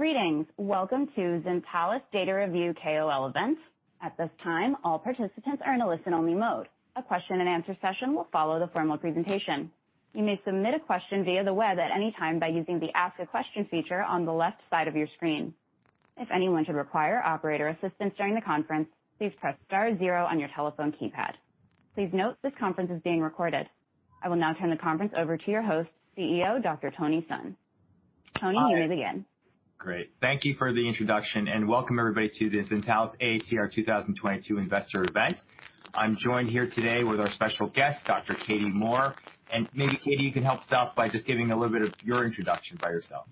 Greetings. Welcome to Zentalis Data Review KOL event. At this time, all participants are in a listen-only mode. A question and answer session will follow the formal presentation. You may submit a question via the web at any time by using the Ask a Question feature on the left side of your screen. If anyone should require operator assistance during the conference, please press star zero on your telephone keypad. Please note this conference is being recorded. I will now turn the conference over to your host, CEO, Dr. Tony Sun. Tony, you may begin. Great. Thank you for the introduction, and welcome everybody to the Zentalis AACR 2022 Investor Event. I'm joined here today with our special guest, Dr. Katie Moore. Maybe, Katie, you can help us out by just giving a little bit of your introduction by yourself.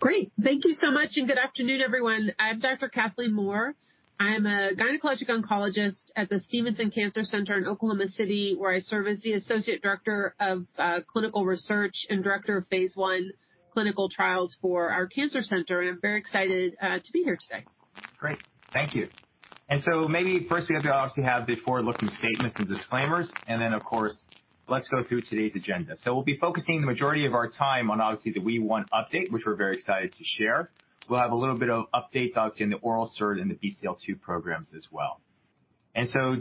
Great. Thank you so much, and good afternoon, everyone. I'm Dr. Kathleen Moore. I'm a Gynecologic Oncologist at the Stephenson Cancer Center in Oklahoma City, where I serve as the Associate Director of Clinical Research and Director of Phase I Clinical Trials for our cancer center, and I'm very excited to be here today. Great. Thank you. Maybe first we have to obviously have the forward-looking statements and disclaimers, and then of course, let's go through today's agenda. We'll be focusing the majority of our time on obviously the WEE1 update, which we're very excited to share. We'll have a little bit of updates, obviously on the oral SERD and the BCL-2 programs as well.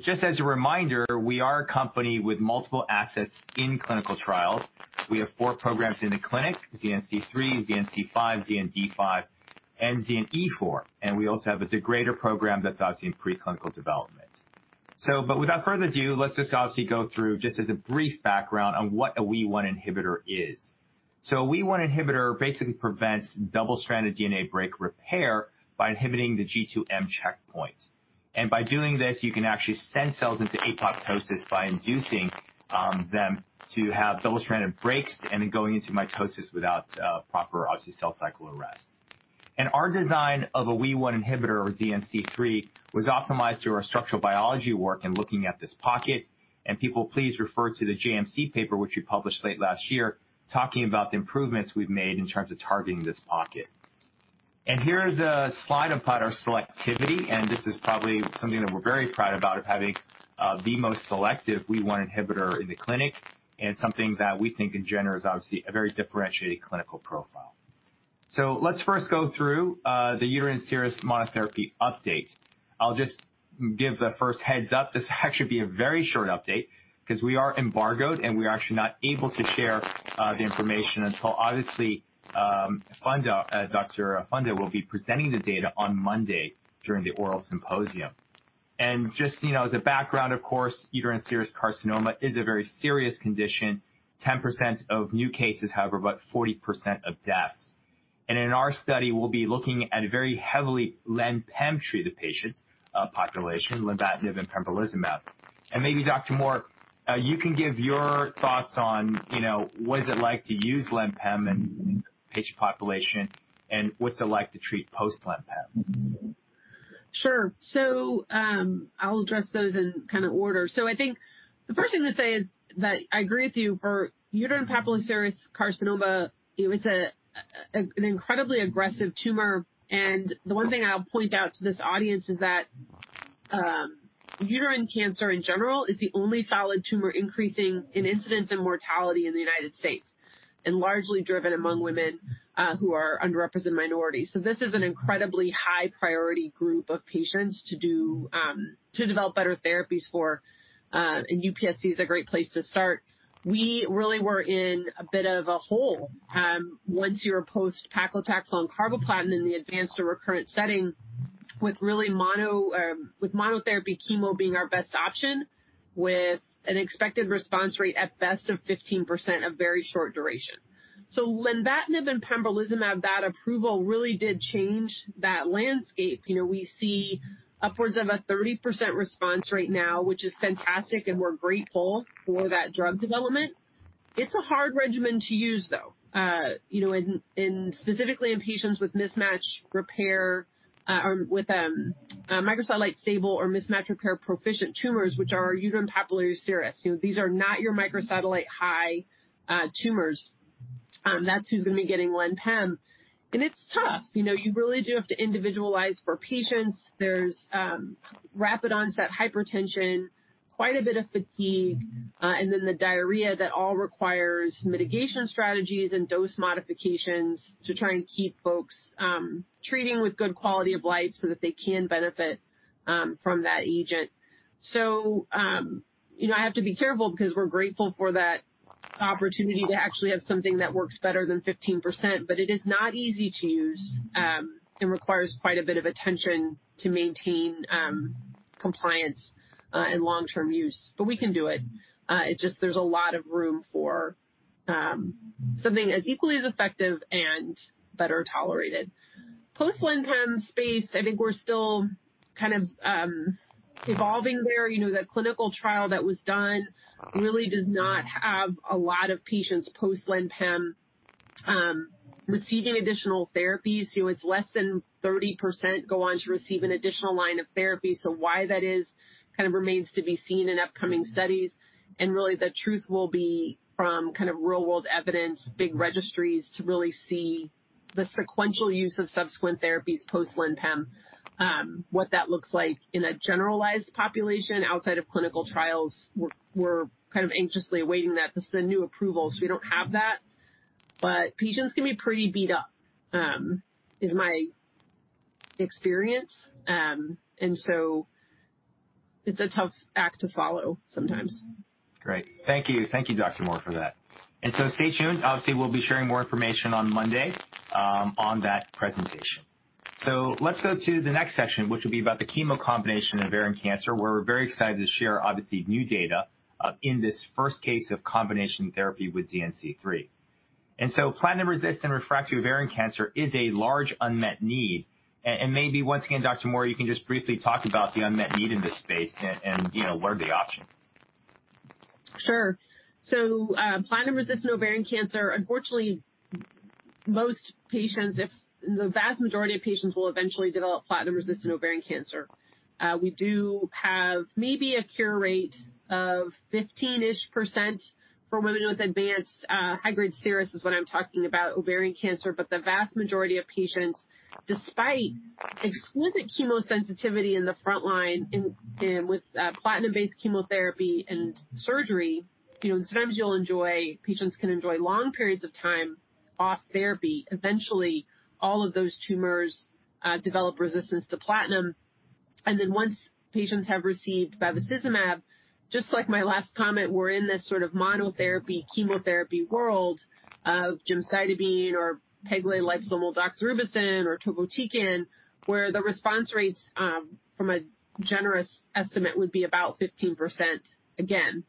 Just as a reminder, we are a company with multiple assets in clinical trials. We have four programs in the clinic, ZN-c3, ZN-c5, ZN-d5, and ZN-e4. We also have a degrader program that's obviously in preclinical development. Without further ado, let's just obviously go through just as a brief background on what a WEE1 inhibitor is. A WEE1 inhibitor basically prevents double-stranded DNA break repair by inhibiting the G2/M checkpoint. By doing this, you can actually send cells into apoptosis by inducing them to have double-stranded breaks and then going into mitosis without proper, obviously, cell cycle arrest. Our design of a WEE1 inhibitor or ZN-c3 was optimized through our structural biology work in looking at this pocket, and people, please refer to the JMC Paper, which we published late last year, talking about the improvements we've made in terms of targeting this pocket. Here is a slide about our selectivity, and this is probably something that we're very proud about of having the most selective WEE1 inhibitor in the clinic and something that we think in general is obviously a very differentiated clinical profile. Let's first go through the Uterine Serous Monotherapy Update. I'll just give the first heads-up. This will actually be a very short update 'cause we are embargoed, and we're actually not able to share the information until obviously Funda, Dr. Funda will be presenting the data on Monday during the oral symposium. Just so you know, as a background, of course, uterine serous carcinoma is a very serious condition. 10% of new cases, however, about 40% of deaths. In our study, we'll be looking at a very heavily len/pem treated patient population, lenvatinib and pembrolizumab. Maybe Dr. Moore, you can give your thoughts on, you know, what is it like to use len/pem in patient population and what's it like to treat post len/pem. Sure. I'll address those in kind of order. I think the first thing to say is that I agree with you. For uterine papillary serous carcinoma, it's an incredibly aggressive tumor. The one thing I'll point out to this audience is that uterine cancer, in general, is the only solid tumor increasing in incidence and mortality in the United States, and largely driven among women who are underrepresented minorities. This is an incredibly high-priority group of patients to develop better therapies for, and UPSC is a great place to start. We really were in a bit of a hole once you were post-paclitaxel and carboplatin in the advanced or recurrent setting with really monotherapy chemo being our best option, with an expected response rate at best of 15% of very short duration. Lenvatinib and pembrolizumab, that approval really did change that landscape. You know, we see upwards of a 30% response right now, which is fantastic, and we're grateful for that drug development. It's a hard regimen to use, though. You know, specifically in patients with mismatch repair or with microsatellite stable or mismatch repair proficient tumors, which are uterine papillary serous. You know, these are not your microsatellite-high tumors. That's who's gonna be getting len/pem. It's tough. You know, you really do have to individualize for patients. There's rapid onset hypertension, quite a bit of fatigue, and then the diarrhea that all requires mitigation strategies and dose modifications to try and keep folks treating with good quality of life so that they can benefit from that agent. You know, I have to be careful because we're grateful for that opportunity to actually have something that works better than 15%, but it is not easy to use, and requires quite a bit of attention to maintain, compliance, and long-term use. We can do it. It's just that there's a lot of room for something as equally as effective and better tolerated. Post len/pem space, I think we're still kind of evolving there. You know, the clinical trial that was done really does not have a lot of patients post len/pem receiving additional therapies. You know, it's less than 30% go on to receive an additional line of therapy. Why that is kind of remains to be seen in upcoming studies. Really the truth will be from kind of real-world evidence, big registries, to really see the sequential use of subsequent therapies post len/pem, what that looks like in a generalized population outside of clinical trials. We're kind of anxiously awaiting that. This is a new approval, so we don't have that. Patients can be pretty beat up, is my experience. It's a tough act to follow sometimes. Great. Thank you. Thank you, Dr. Moore, for that. Stay tuned. Obviously, we'll be sharing more information on Monday on that presentation. Let's go to the next section, which will be about the chemo combination of ovarian cancer, where we're very excited to share, obviously, new data in this first case of combination therapy with ZN-c3. Platinum-resistant refractory ovarian cancer is a large unmet need. And maybe once again, Dr. Moore, you can just briefly talk about the unmet need in this space and you know, what are the options. Sure. Platinum-resistant ovarian cancer. Unfortunately, most patients, the vast majority of patients will eventually develop platinum-resistant ovarian cancer. We do have maybe a cure rate of 15% for women with advanced, high-grade serous is what I'm talking about, ovarian cancer. The vast majority of patients, despite explicit chemosensitivity in the front line with platinum-based chemotherapy and surgery, you know, patients can enjoy long periods of time off therapy. Eventually, all of those tumors develop resistance to platinum. Once patients have received bevacizumab, just like my last comment, we're in this sort of monotherapy chemotherapy world of gemcitabine or pegylated liposomal doxorubicin or topotecan, where the response rates, from a generous estimate, would be about 15% again.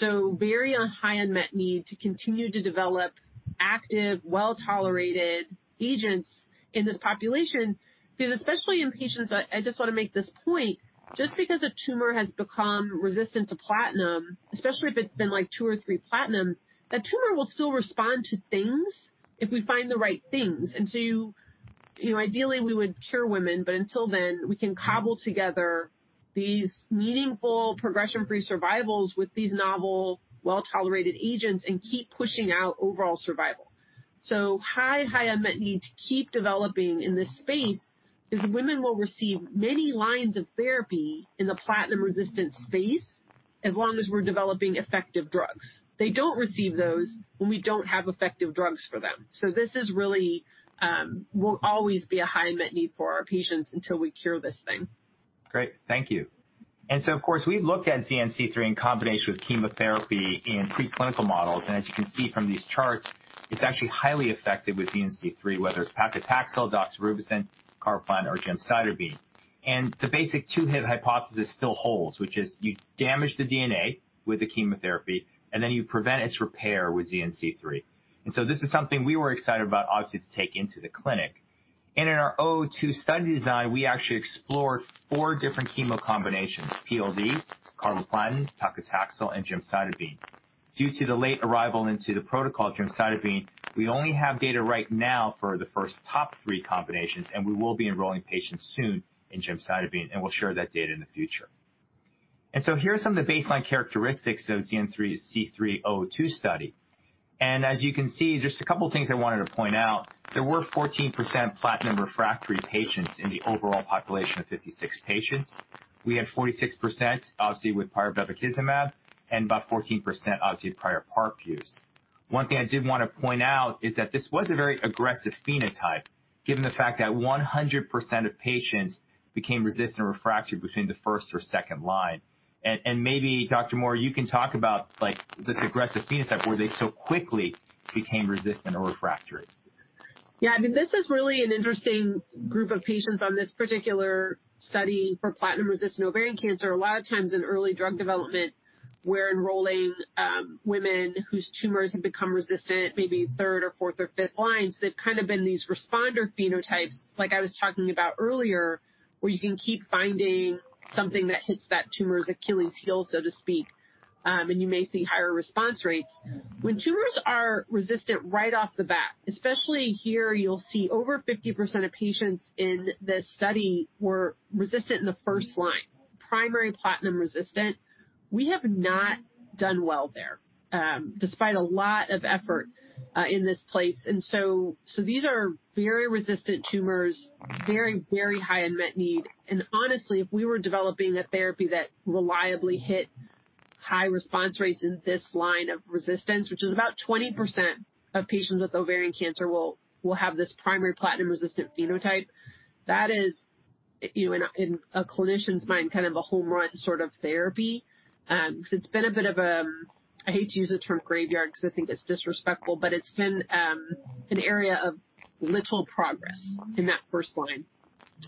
There's a very high unmet need to continue to develop active, well-tolerated agents in this population, because especially in patients, I just want to make this point, just because a tumor has become resistant to platinum, especially if it's been like two or three platinums, that tumor will still respond to things if we find the right things. You know, ideally we would cure women, but until then, we can cobble together these meaningful progression-free survivals with these novel, well-tolerated agents and keep pushing out overall survival. High unmet need to keep developing in this space is women will receive many lines of therapy in the platinum resistant space as long as we're developing effective drugs. They don't receive those when we don't have effective drugs for them. This will always be a high unmet need for our patients until we cure this thing. Great. Thank you. Of course, we've looked at ZN-c3 in combination with chemotherapy in preclinical models. As you can see from these charts, it's actually highly effective with ZN-c3, whether it's paclitaxel, doxorubicin, carboplatin, or gemcitabine. The basic two-hit hypothesis still holds, which is you damage the DNA with the chemotherapy, and then you prevent its repair with ZN-c3. This is something we were excited about, obviously, to take into the clinic. In our O2 study design, we actually explored four different chemo combinations, PLD, carboplatin, paclitaxel, and gemcitabine. Due to the late arrival into the protocol of gemcitabine, we only have data right now for the first three combinations, and we will be enrolling patients soon in gemcitabine, and we'll share that data in the future. Here are some of the baseline characteristics of ZN-c3 O2 study. As you can see, just a couple of things I wanted to point out. There were 14% platinum refractory patients in the overall population of 56 patients. We had 46%, obviously with prior bevacizumab and about 14% obviously prior PARP use. One thing I did want to point out is that this was a very aggressive phenotype, given the fact that 100% of patients became resistant refractory between the first or second line. Maybe Dr. Moore, you can talk about like this aggressive phenotype where they so quickly became resistant or refractory. Yeah. I mean, this is really an interesting group of patients on this particular study for platinum-resistant ovarian cancer. A lot of times in early drug development, we're enrolling women whose tumors have become resistant, maybe third or fourth or fifth lines. They've kind of been these responder phenotypes like I was talking about earlier, where you can keep finding something that hits that tumor's Achilles heel, so to speak. You may see higher response rates. When tumors are resistant right off the bat, especially here, you'll see over 50% of patients in this study were resistant in the first line, primary platinum resistant. We have not done well there despite a lot of effort in this space. These are very resistant tumors, very high unmet need. Honestly, if we were developing a therapy that reliably hit high response rates in this line of resistance, which is about 20% of patients with ovarian cancer will have this primary platinum resistant phenotype. That is, you know, in a clinician's mind, kind of a home run sort of therapy. 'Cause it's been a bit of a, I hate to use the term graveyard 'cause I think it's disrespectful, but it's been an area of little progress in that first line.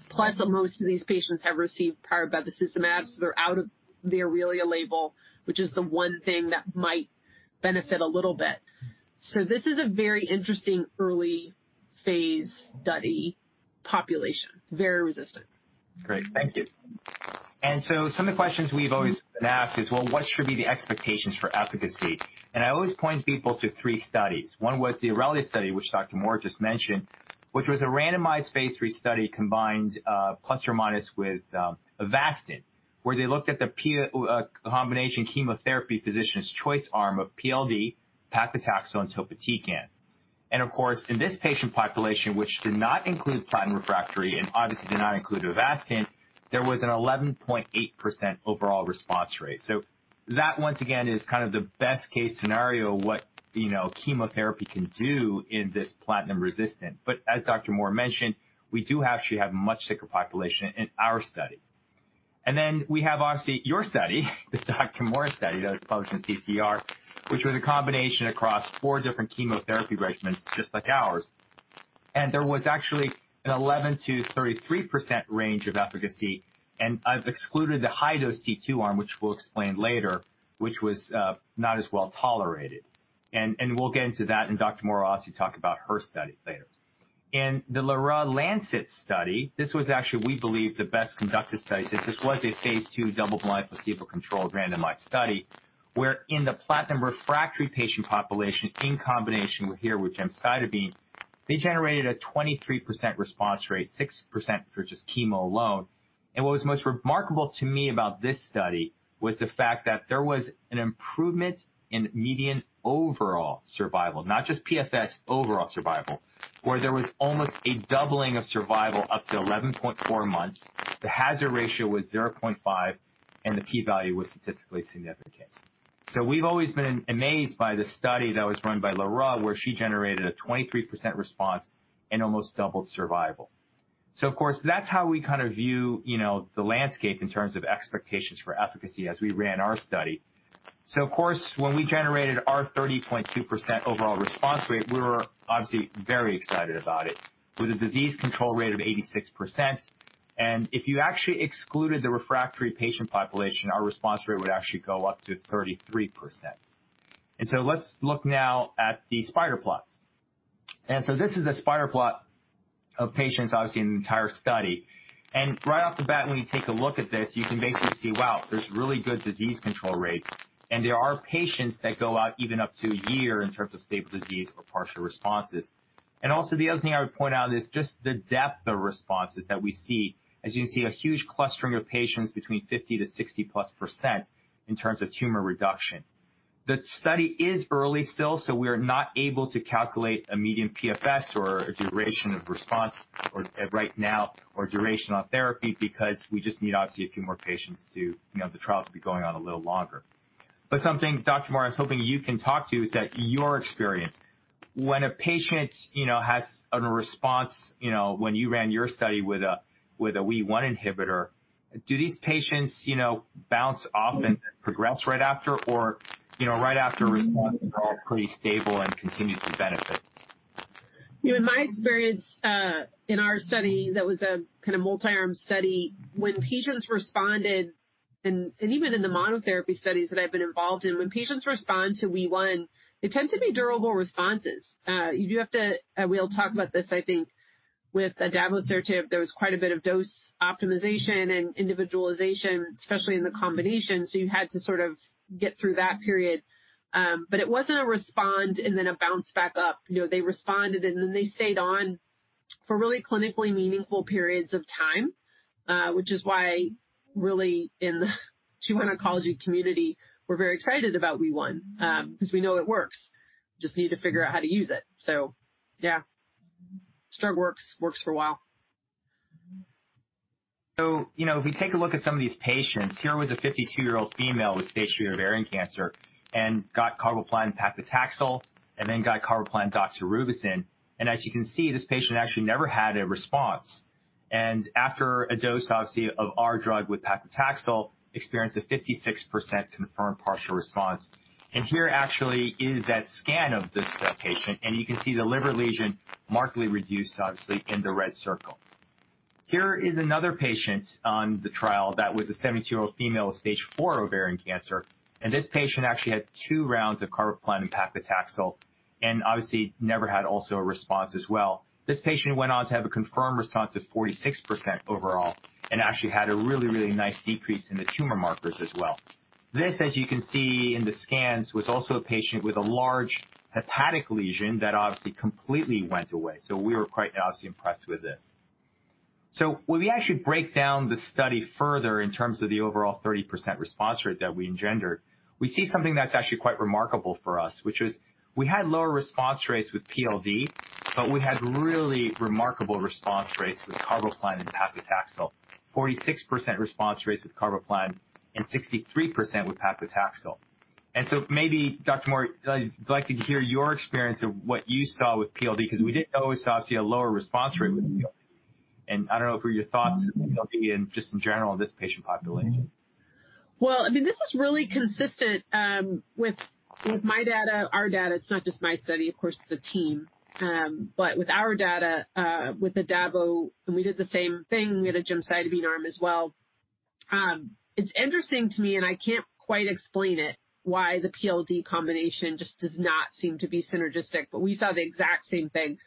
Plus, most of these patients have received prior bevacizumab, so they're out of the AURELIA label, which is the one thing that might benefit a little bit. So this is a very interesting early phase study population, very resistant. Great. Thank you. Some of the questions we've always been asked is, well, what should be the expectations for efficacy? I always point people to three studies. One was the AURELIA Study, which Dr. Moore just mentioned, which was a randomized phase III study of chemotherapy plus Avastin, where they looked at the combination chemotherapy physician's choice arm of PLD, paclitaxel and topotecan. Of course, in this patient population, which did not include platinum refractory and obviously did not include Avastin. There was an 11.8% overall response rate. That once again is kind of the best-case scenario what, you know, chemotherapy can do in this platinum resistant. As Dr. Moore mentioned, we do actually have much sicker population in our study. We have, obviously, your study, the Dr. Moore study that was published in CCR, which was a combination across four different chemotherapy regimens, just like ours. There was actually an 11%-33% range of efficacy, and I've excluded the high-dose CT arm, which we'll explain later, which was not as well tolerated. We'll get into that, and Dr. Moore will obviously talk about her study later. The Lheureux Lancet study, this was actually, we believe, the best-conducted study. This was a phase II double-blind placebo-controlled randomized study where in the platinum refractory patient population, in combination with gemcitabine, they generated a 23% response rate, 6% for just chemo alone. What was most remarkable to me about this study was the fact that there was an improvement in median overall survival. Not just PFS, overall survival, where there was almost a doubling of survival up to 11.4 months. The hazard ratio was 0.5, and the P value was statistically significant. We've always been amazed by the study that was run by Lheureux, where she generated a 23% response and almost doubled survival. Of course, that's how we kind of view, you know, the landscape in terms of expectations for efficacy as we ran our study. Of course, when we generated our 30.2% overall response rate, we were obviously very excited about it, with a disease control rate of 86%. If you actually excluded the refractory patient population, our response rate would actually go up to 33%. Let's look now at the spider plots. This is a spider plot of patients, obviously in the entire study. Right off the bat, when you take a look at this, you can basically see, wow, there's really good disease control rates. There are patients that go out even up to a year in terms of stable disease or partial responses. Also, the other thing I would point out is just the depth of responses that we see. As you can see, a huge clustering of patients between 50%-60+% in terms of tumor reduction. The study is early still, so we are not able to calculate a median PFS or a duration of response or, right now, or duration on therapy because we just need, obviously, a few more patients to. You know, the trial to be going on a little longer. But something, Dr. Moore, I was hoping you can talk to is that your experience. When a patient, you know, has a response, you know, when you ran your study with a WEE1 inhibitor, do these patients, you know, bounce off and progress right after or, you know, right after response are pretty stable and continue to benefit? In my experience, in our study, that was a kind of multi-arm study. When patients responded, and even in the monotherapy studies that I've been involved in, when patients respond to WEE1, they tend to be durable responses. We'll talk about this, I think, with adavosertib. There was quite a bit of dose optimization and individualization, especially in the combination. You had to sort of get through that period. It wasn't a response and then a bounce back up. You know, they responded, and then they stayed on for really clinically meaningful periods of time, which is why really in the gynecology community, we're very excited about WEE1, 'cause we know it works. We just need to figure out how to use it. Yeah, drug works for a while. You know, if we take a look at some of these patients, here was a 52-year-old female with stage 3 ovarian cancer and got carboplatin paclitaxel and then got carboplatin doxorubicin. As you can see, this patient actually never had a response. After a dose, obviously, of our drug with paclitaxel, experienced a 56% confirmed partial response. Here actually is that scan of this patient, and you can see the liver lesion markedly reduced, obviously, in the red circle. Here is another patient on the trial. That was a 72-year-old female with stage 4 ovarian cancer, and this patient actually had two rounds of carboplatin paclitaxel and obviously never had also a response as well. This patient went on to have a confirmed response of 46% overall and actually had a really, really nice decrease in the tumor markers as well. This, as you can see in the scans, was also a patient with a large hepatic lesion that obviously completely went away. We were quite obviously impressed with this. When we actually break down the study further in terms of the overall 30% response rate that we engendered, we see something that's actually quite remarkable for us, which is we had lower response rates with PLD, but we had really remarkable response rates with carboplatin and paclitaxel. 46% response rates with carboplatin and 63% with paclitaxel. Maybe, Dr. Moore, I'd like to hear your experience of what you saw with PLD, 'cause we always had obviously a lower response rate with PLD. I don't know what were your thoughts on PLD in general in this patient population. Well, I mean, this is really consistent with my data, our data. It's not just my study, of course, it's the team. With our data, with adavosertib, and we did the same thing, we had a gemcitabine arm as well. It's interesting to me, and I can't quite explain it, why the PLD combination just does not seem to be synergistic. We saw the exact same thing.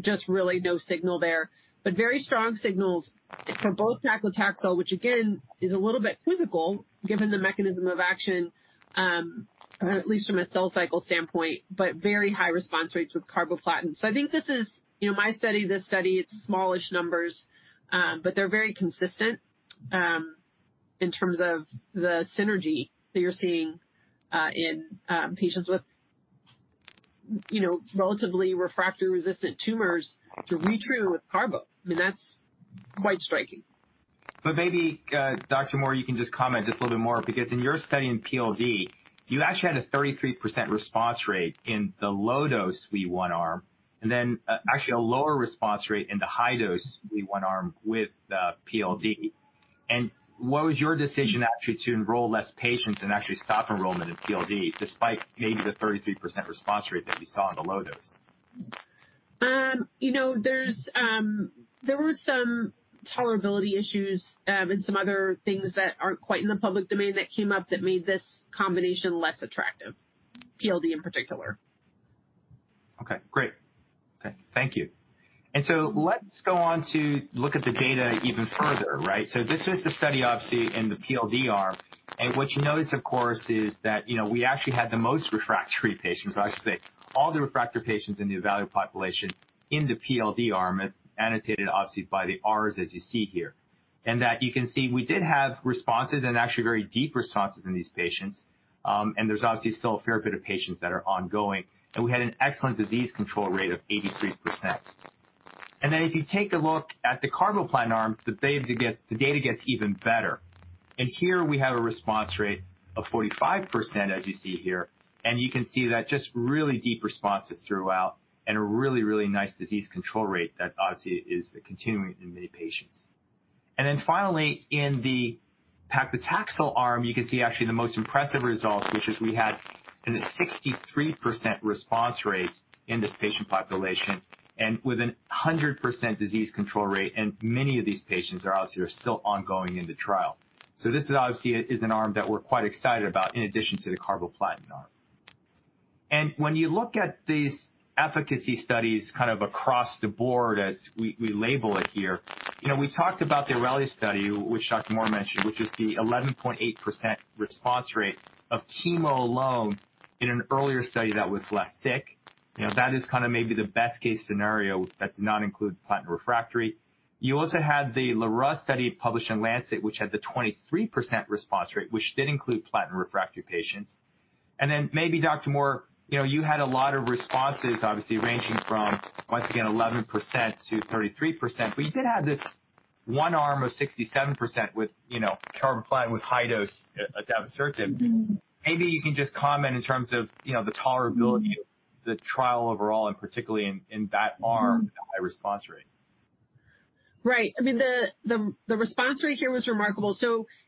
Just really no signal there. Very strong signals for both paclitaxel, which again is a little bit counterintuitive, given the mechanism of action, at least from a cell cycle standpoint, but very high response rates with carboplatin. I think this is, you know, this study, it's smallish numbers, but they're very consistent in terms of the synergy that you're seeing in patients with you know, relatively refractory resistant tumors to re-treat with carbo. I mean, that's quite striking. Maybe, Dr. Moore, you can just comment just a little bit more because in your study in PLD, you actually had a 33% response rate in the low-dose WEE1 arm, and then, actually a lower response rate in the high-dose WEE1 arm with the PLD. What was your decision, actually, to enroll less patients and actually stop enrollment in PLD despite making the 33% response rate that you saw on the low dose? You know, there were some tolerability issues, and some other things that aren't quite in the public domain that came up that made this combination less attractive, PLD in particular. Okay, great. Okay, thank you. Let's go on to look at the data even further, right? This is the study, obviously, in the PLD arm. What you notice, of course, is that, you know, we actually had the most refractory patients. I should say, all the refractory patients in the evaluable population in the PLD arm is annotated, obviously by the Rs as you see here. That you can see we did have responses and actually very deep responses in these patients. There's obviously still a fair bit of patients that are ongoing. We had an excellent disease control rate of 83%. Then if you take a look at the carboplatin arm, the data gets even better. Here we have a response rate of 45% as you see here. You can see that just really deep responses throughout and a really, really nice disease control rate that obviously is continuing in many patients. Then finally, in the paclitaxel arm, you can see actually the most impressive results, which is we had a 63% response rate in this patient population and with a 100% disease control rate, and many of these patients are obviously still ongoing in the trial. This is obviously an arm that we're quite excited about in addition to the carboplatin arm. When you look at these efficacy studies kind of across the board as we label it here, you know, we talked about the AURELIA study, which Dr. Moore mentioned, which is the 11.8% response rate of chemo alone in an earlier study that was less fit. You know, that is kind of maybe the best-case scenario that did not include platinum refractory. You also had the Lheureux study published in The Lancet, which had the 23% response rate, which did include platinum refractory patients. Then maybe Dr. Moore, you know, you had a lot of responses, obviously ranging from, once again, 11%-33%. You did have this one arm of 67% with, you know, carboplatin with high-dose adavosertib. Mm-hmm. Maybe you can just comment in terms of, you know, the tolerability of the trial overall and particularly in that arm- Mm-hmm. with the high response rate. Right. I mean, the response rate here was remarkable.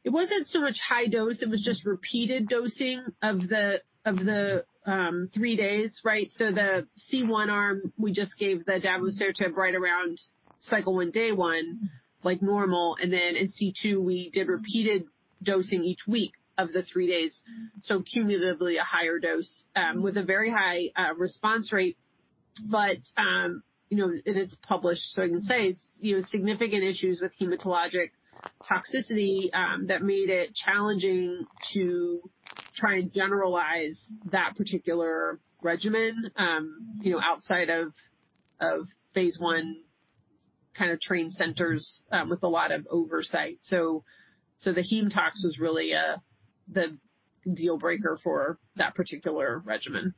It wasn't so much high dose, it was just repeated dosing of the three days, right? The C1 arm, we just gave the adavosertib right around cycle 1, day 1, like normal. In C2, we did repeated dosing each week of the three days. Cumulatively a higher dose with a very high response rate. But you know, and it's published, so I can say it's you know, significant issues with hematologic toxicity that made it challenging to try and generalize that particular regimen you know, outside of phase I kind of trained centers with a lot of oversight. The hem tox was really the deal breaker for that particular regimen.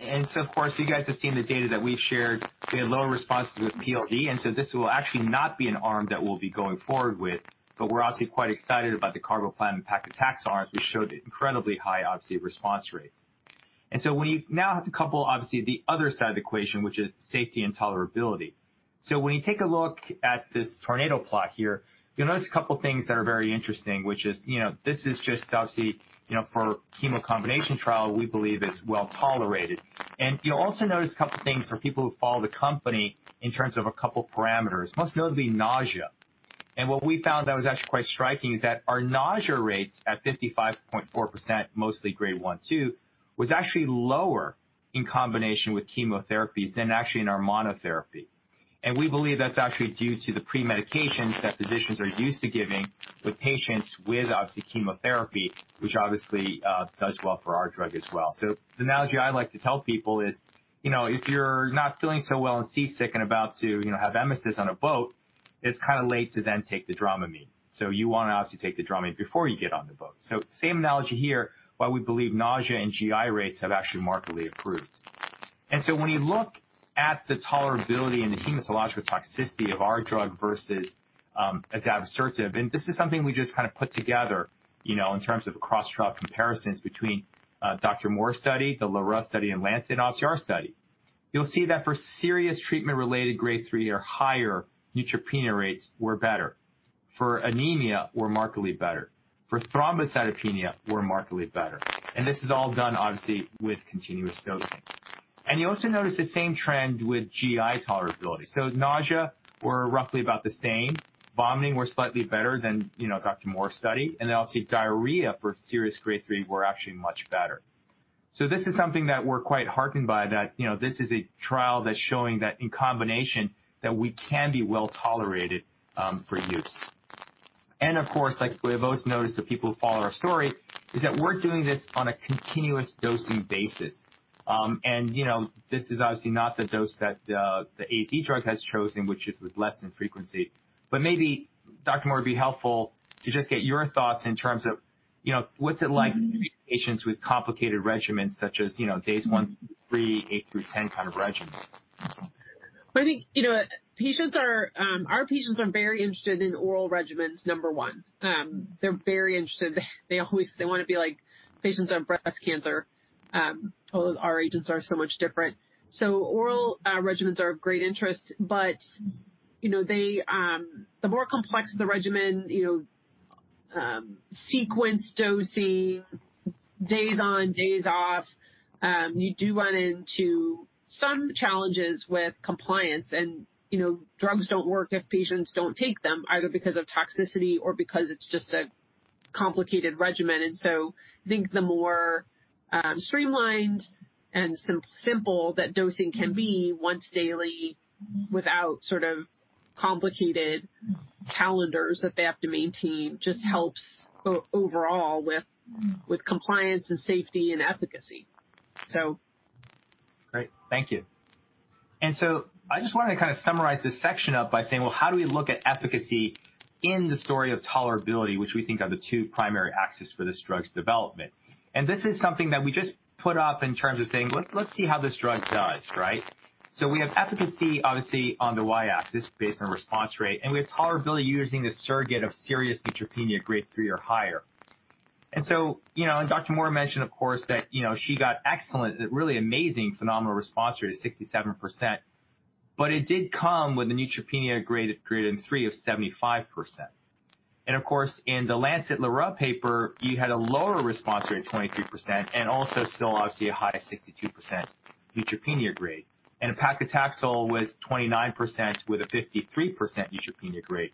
Of course, you guys have seen the data that we've shared. We had lower responses with PLD, and so this will actually not be an arm that we'll be going forward with, but we're obviously quite excited about the carboplatin paclitaxel arms, which showed incredibly high obviously response rates. When you now have to couple, obviously the other side of the equation, which is safety and tolerability. When you take a look at this tornado plot here, you'll notice a couple things that are very interesting, which is, you know, this is just obviously, you know, for chemo combination trial, we believe is well tolerated. You'll also notice a couple things for people who follow the company in terms of a couple parameters. Most notably nausea. What we found that was actually quite striking is that our nausea rates at 55.4%, mostly Grade 1/2, was actually lower in combination with chemotherapy than actually in our monotherapy. We believe that's actually due to the premedications that physicians are used to giving with patients with obviously chemotherapy, which obviously does well for our drug as well. The analogy I like to tell people is, you know, if you're not feeling so well and seasick and about to, you know, have emesis on a boat, it's kind of late to then take the Dramamine. You want to obviously take the Dramamine before you get on the boat. Same analogy here, why we believe nausea and GI rates have actually markedly improved. When you look at the tolerability and the hematological toxicity of our drug versus adavosertib, and this is something we just kind of put together, you know, in terms of cross-trial comparisons between Dr. Moore's study, the Lheureux study, and our study. You'll see that for severe treatment-related Grade 3 or higher, neutropenia rates were better. For anemia, were markedly better. For thrombocytopenia, were markedly better. This is all done obviously with continuous dosing. You also notice the same trend with GI tolerability. So nausea were roughly about the same. Vomiting were slightly better than, you know, Dr. Moore's study. Then obviously, diarrhea for severe Grade 3 were actually much better. This is something that we're quite heartened by, that, you know, this is a trial that's showing that in combination that we can be well-tolerated for use. Of course, like we have always noticed that people who follow our story is that we're doing this on a continuous dosing basis. You know, this is obviously not the dose that the AZ drug has chosen, which is with less in frequency. But maybe, Dr. Moore, it'd be helpful to just get your thoughts in terms of, you know, what's it like treating patients with complicated regimens such as, you know, days one through three, eight through 10 kind of regimens. I think, you know, our patients are very interested in oral regimens, number one. They're very interested. They wanna be like patients on breast cancer. Although our agents are so much different. Oral regimens are of great interest, but, you know, they, the more complex the regimen, you know, sequenced dosing, days on, days off, you do run into some challenges with compliance and, you know, drugs don't work if patients don't take them, either because of toxicity or because it's just a complicated regimen. I think the more streamlined and simple that dosing can be once daily without sort of complicated calendars that they have to maintain just helps overall with compliance and safety and efficacy. Great. Thank you. I just wanted to kind of summarize this section up by saying, well, how do we look at efficacy in the story of tolerability, which we think are the two primary axes for this drug's development? This is something that we just put up in terms of saying, "Let's see how this drug does." Right? We have efficacy, obviously, on the y-axis based on response rate, and we have tolerability using this surrogate of serious neutropenia Grade 3 or higher. You know, Dr. Moore mentioned, of course, that, you know, she got excellent, really amazing phenomenal response rate of 67%, but it did come with a neutropenia Grade 3 of 75%. Of course, in The Lancet Lheureux Paper, you had a lower response rate, 23%, and also still, obviously a high 62% neutropenia grade. Paclitaxel was 29% with a 53% neutropenia grade.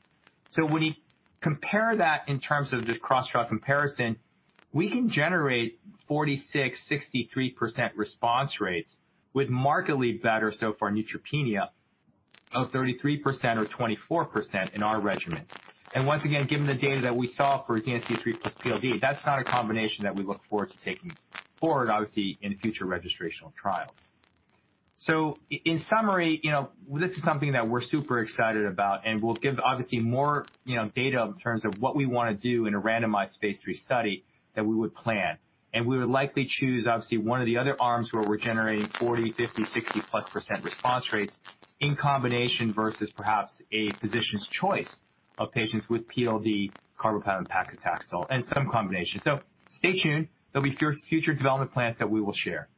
When you compare that in terms of this cross-trial comparison, we can generate 46, 63% response rates with markedly better, so far, neutropenia of 33% or 24% in our regimens. Once again, given the data that we saw for ZN-c3 plus PLD, that's not a combination that we look forward to taking forward, obviously, in future registrational trials. In summary, you know, this is something that we're super excited about, and we'll give obviously more, you know, data in terms of what we wanna do in a randomized phase III study that we would plan. We would likely choose, obviously, one of the other arms where we're generating 40%, 50%, 60+% response rates in combination versus perhaps a physician's choice of patients with PLD, carboplatin, paclitaxel and some combination. Stay tuned. There'll be future development plans that we will share.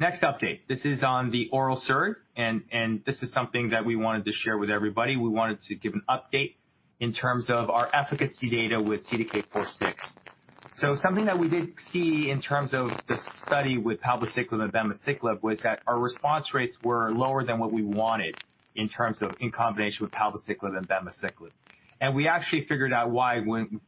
Next update. This is on the oral SERD, and this is something that we wanted to share with everybody. We wanted to give an update in terms of our efficacy data with CDK4/6. Something that we did see in terms of the study with palbociclib and abemaciclib was that our response rates were lower than what we wanted in terms of in combination with palbociclib and abemaciclib. We actually figured out why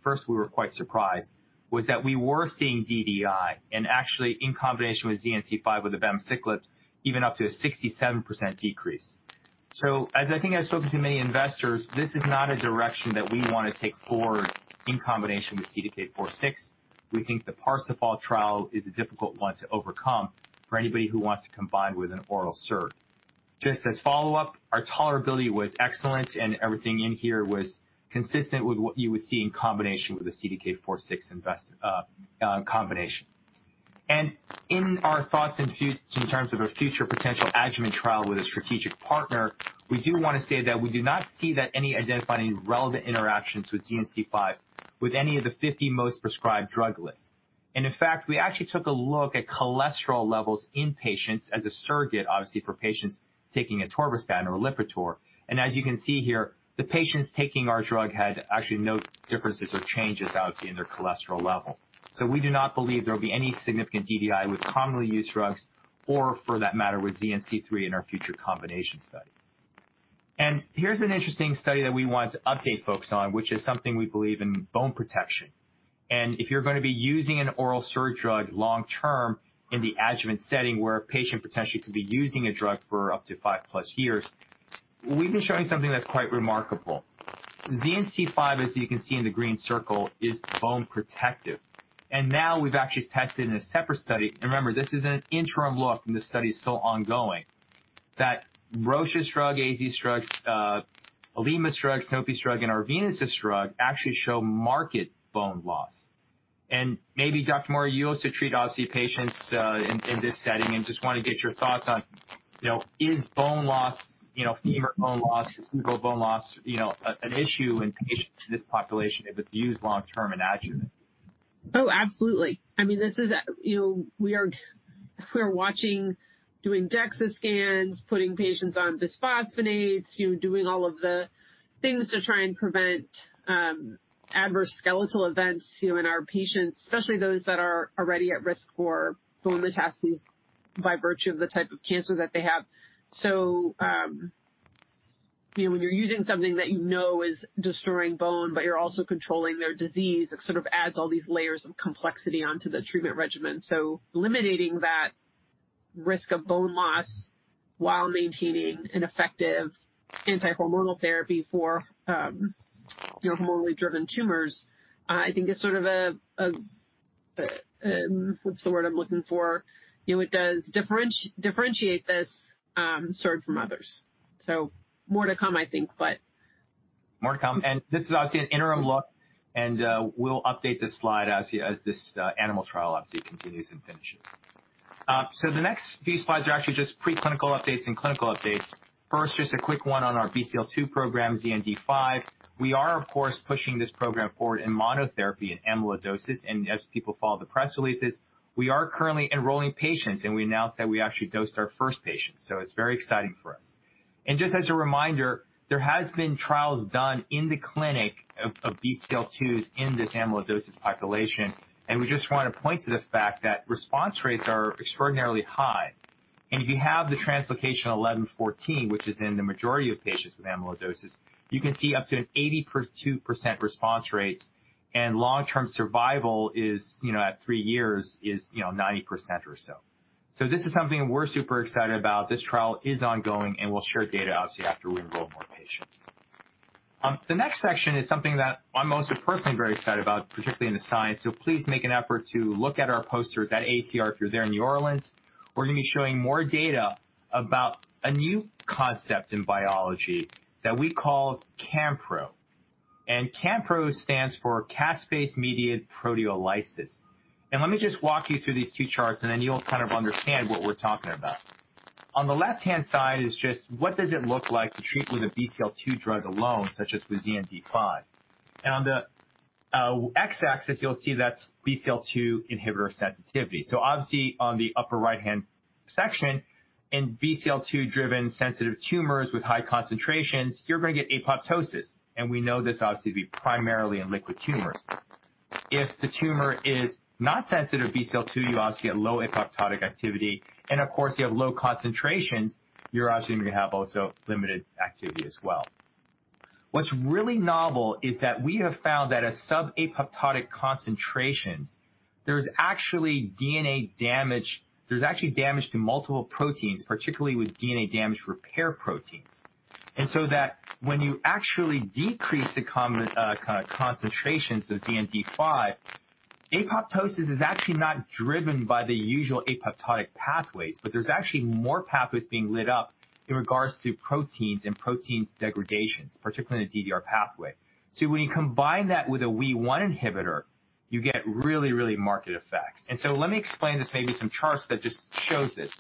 first we were quite surprised, was that we were seeing DDI, and actually in combination with ZN-c5 with abemaciclib, even up to a 67% decrease. As I think I've spoken to many investors, this is not a direction that we wanna take forward in combination with CDK4/6. We think the PARSIFAL trial is a difficult one to overcome for anybody who wants to combine with an oral SERD. Just as follow-up, our tolerability was excellent, and everything in here was consistent with what you would see in combination with the CDK4/6 inhibitor combination. In our thoughts in terms of a future potential adjuvant trial with a strategic partner, we do wanna say that we do not see any identifying relevant interactions with ZN-c5 with any of the 50 most prescribed drug lists. In fact, we actually took a look at cholesterol levels in patients as a surrogate, obviously for patients taking atorvastatin or Lipitor. As you can see here, the patients taking our drug had actually no differences or changes, obviously, in their cholesterol level. We do not believe there will be any significant DDI with commonly used drugs or for that matter, with ZN-c3 in our future combination study. Here's an interesting study that we want to update folks on, which is something we believe in bone protection. If you're gonna be using an oral SERD drug long term in the adjuvant setting where a patient potentially could be using a drug for up to 5+ years, we've been showing something that's quite remarkable. ZN-c5, as you can see in the green circle, is bone protective. Now we've actually tested in a separate study. Remember, this is an interim look, and the study is still ongoing. That Roche's drug, AstraZeneca's drug, Eli Lilly's drug, Sanofi's drug, and Arvinas's drug actually show marked bone loss. Maybe, Dr. Moore, you also treat, obviously, patients in this setting and just wanna get your thoughts on, you know, is bone loss, you know, severe bone loss, significant bone loss, you know, an issue in patients in this population if it's used long-term in adjuvant? Oh, absolutely. I mean, this is you know, we are watching, doing DEXA scans, putting patients on bisphosphonates, you know, doing all of the things to try and prevent adverse skeletal events, you know, in our patients, especially those that are already at risk for bone metastases by virtue of the type of cancer that they have. When you're using something that you know is destroying bone, but you're also controlling their disease, it sort of adds all these layers of complexity onto the treatment regimen. Eliminating that risk of bone loss while maintaining an effective anti-hormonal therapy for hormonally driven tumors, I think is sort of a. What's the word I'm looking for? You know, it does differentiate this sort from others. More to come, I think, but. More to come. This is obviously an interim look, and we'll update this slide as this animal trial obviously continues and finishes. The next few slides are actually just preclinical updates and clinical updates. First, just a quick one on our BCL-2 program, ZN-d5. We are, of course, pushing this program forward in monotherapy and amyloidosis, and as people follow the press releases, we are currently enrolling patients, and we announced that we actually dosed our first patient, so it's very exciting for us. Just as a reminder, there has been trials done in the clinic of BCL-2s in this amyloidosis population, and we just wanna point to the fact that response rates are extraordinarily high. If you have the t(11;14), which is in the majority of patients with amyloidosis, you can see up to an 82% response rates and long-term survival is, you know, at 3 years 90% or so. This is something we're super excited about. This trial is ongoing, and we'll share data, obviously, after we enroll more patients. The next section is something that I'm also personally very excited about, particularly in the science, so please make an effort to look at our poster at that AACR if you're there in New Orleans. We're gonna be showing more data about a new concept in biology that we call CAMPRO, and CAMPRO stands for Caspase-Mediated Proteolysis. Let me just walk you through these 2 charts, and then you'll kind of understand what we're talking about. On the left-hand side is just what does it look like to treat with a BCL-2 drug alone, such as with ZN-d5? On the x-axis, you'll see that's BCL-2 inhibitor sensitivity. Obviously, on the upper right-hand section, in BCL-2 driven sensitive tumors with high concentrations, you're gonna get apoptosis, and we know this obviously to be primarily in liquid tumors. If the tumor is not sensitive to BCL-2, you obviously get low apoptotic activity, and of course, you have low concentrations, you're obviously gonna have also limited activity as well. What's really novel is that we have found that at sub-apoptotic concentrations, there's actually DNA damage, there's actually damage to multiple proteins, particularly with DNA damage repair proteins. That when you actually decrease the concentrations of ZN-d5, apoptosis is actually not driven by the usual apoptotic pathways, but there's actually more pathways being lit up in regards to proteins and protein degradations, particularly in the DDR pathway. When you combine that with a WEE1 inhibitor, you get really marked effects. Let me explain this maybe with some charts that just show this.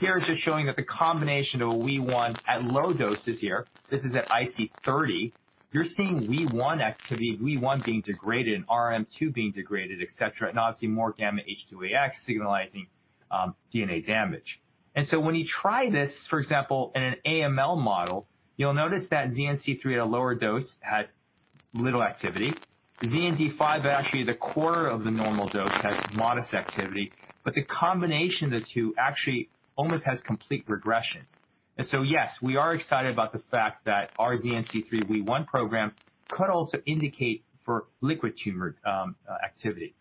Here is just showing that the combination of a WEE1 at low doses here, this is at IC30, you're seeing WEE1 activity, WEE1 being degraded, RRM2 being degraded, et cetera, and obviously more gamma-H2AX signaling, DNA damage. When you try this, for example, in an AML model, you'll notice that ZN-c3 at a lower dose has little activity. ZN-d5 at actually the quarter of the normal dose has modest activity, but the combination of the two actually almost has complete regressions. Yes, we are excited about the fact that our ZN-c3 WEE1 program could also indicate for liquid tumor activity.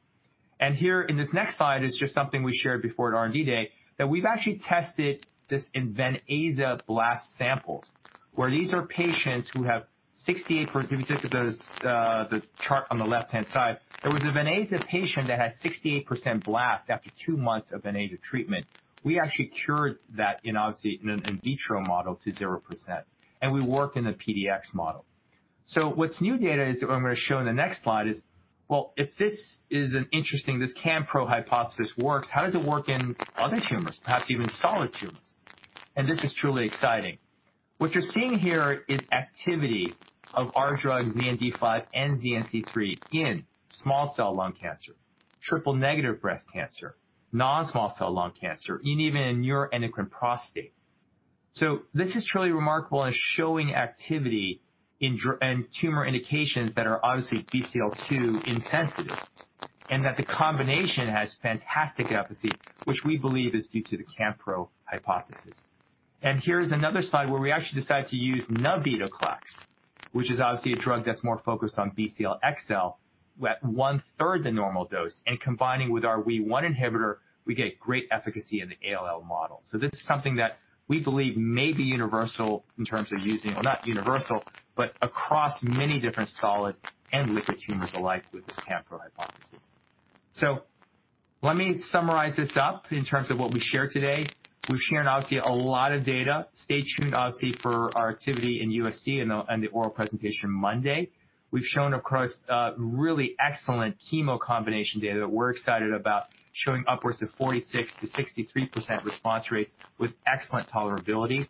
Here in this next slide is just something we shared before at R&D Day, that we've actually tested this in venetoclax samples, where these are patients who have 68%, if you just look at this, the chart on the left-hand side, there was a venetoclax patient that had 68% blast after two months of venetoclax treatment. We actually cured that in, obviously, in vitro model to 0%. We worked in the PDX model. The new data is what I'm gonna show in the next slide. Well, if this CAMPRO hypothesis works, how does it work in other tumors, perhaps even solid tumors? This is truly exciting. What you're seeing here is activity of our drug ZN-d5 and ZN-c3 in small cell lung cancer, triple negative breast cancer, non-small cell lung cancer, and even in neuroendocrine prostate cancer. This is truly remarkable and showing activity in tumor indications that are obviously BCL-2 insensitive, and that the combination has fantastic efficacy, which we believe is due to the CAMPRO hypothesis. Here is another slide where we actually decide to use Navitoclax, which is obviously a drug that's more focused on BCL-xL, at one-third the normal dose, and combining with our WEE1 inhibitor, we get great efficacy in the ALL model. This is something that we believe may be universal in terms of using. Well, not universal, but across many different solid and liquid tumors alike with this CAMPRO hypothesis. Let me summarize this up in terms of what we shared today. We've shared obviously a lot of data. Stay tuned obviously for our activity in UPSC and the oral presentation Monday. We've shown, of course, really excellent chemo combination data that we're excited about, showing upwards of 46%-63% response rates with excellent tolerability.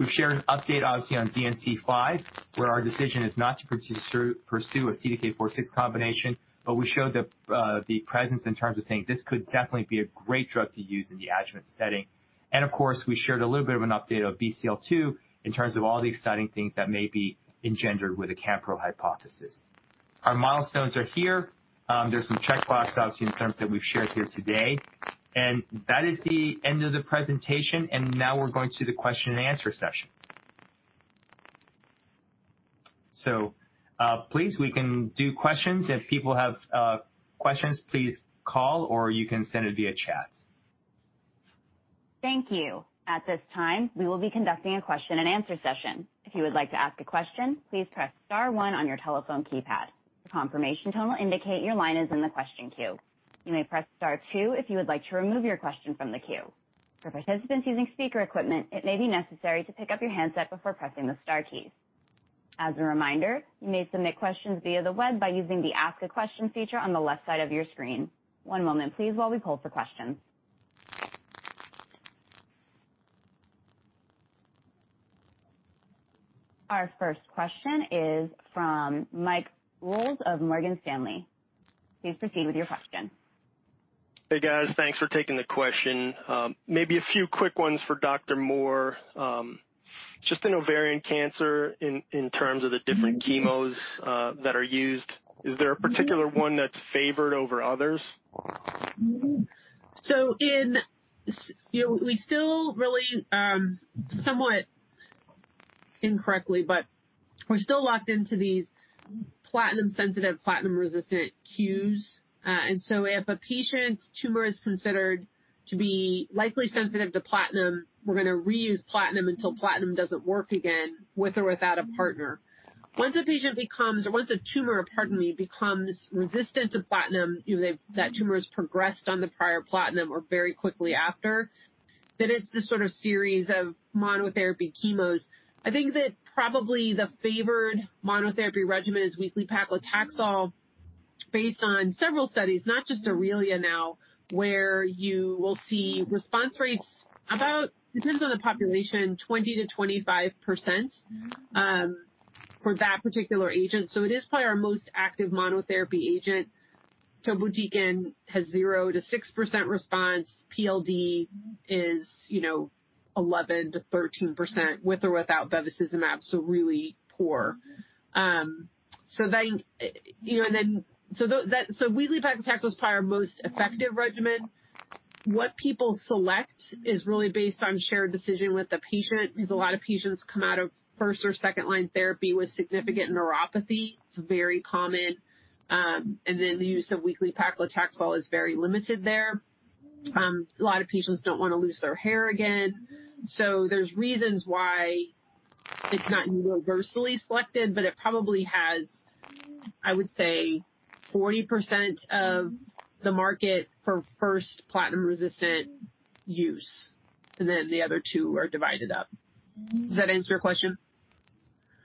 We've shared an update obviously on ZN-d5, where our decision is not to pursue a CDK4/6 combination, but we showed the presence in terms of saying this could definitely be a great drug to use in the adjuvant setting. Of course, we shared a little bit of an update of BCL-2 in terms of all the exciting things that may be engendered with a CAMPRO hypothesis. Our milestones are here. There's some checkbox obviously in terms that we've shared here today. That is the end of the presentation, and now we're going to the question and answer session. Please, we can do questions. If people have questions, please call or you can send it via chat. Thank you. At this time, we will be conducting a question-and-answer session. If you would like to ask a question, please press star one on your telephone keypad. A confirmation tone will indicate your line is in the question queue. You may press star two if you would like to remove your question from the queue. For participants using speaker equipment, it may be necessary to pick up your handset before pressing the star keys. As a reminder, you may submit questions via the web by using the Ask a Question feature on the left side of your screen. One moment please while we poll for questions. Our first question is from Mike Ulz of Morgan Stanley. Please proceed with your question. Hey, guys. Thanks for taking the question. Maybe a few quick ones for Dr. Moore. Just in ovarian cancer in terms of the different chemos that are used, is there a particular one that's favored over others? You know, we still really, somewhat incorrectly, but we're still locked into these platinum sensitive, platinum resistant cues. If a patient's tumor is considered to be likely sensitive to platinum, we're gonna reuse platinum until platinum doesn't work again, with or without a partner. Once a patient becomes, or once a tumor, pardon me, becomes resistant to platinum, you know, that tumor has progressed on the prior platinum or very quickly after, then it's this sort of series of monotherapy chemos. I think that probably the favored monotherapy regimen is weekly paclitaxel based on several studies, not just AURELIA now, where you will see response rates about, depends on the population, 20%-25%, for that particular agent. It is probably our most active monotherapy agent. Topotecan has 0%-6% response. PLD is, you know, 11%-13% with or without bevacizumab, so really poor. Weekly paclitaxel is probably our most effective regimen. What people select is really based on shared decision with the patient, because a lot of patients come out of first or second-line therapy with significant neuropathy. It's very common. The use of weekly paclitaxel is very limited there. A lot of patients don't wanna lose their hair again. There's reasons why it's not universally selected, but it probably has, I would say, 40% of the market for first platinum resistant use, and then the other two are divided up. Does that answer your question?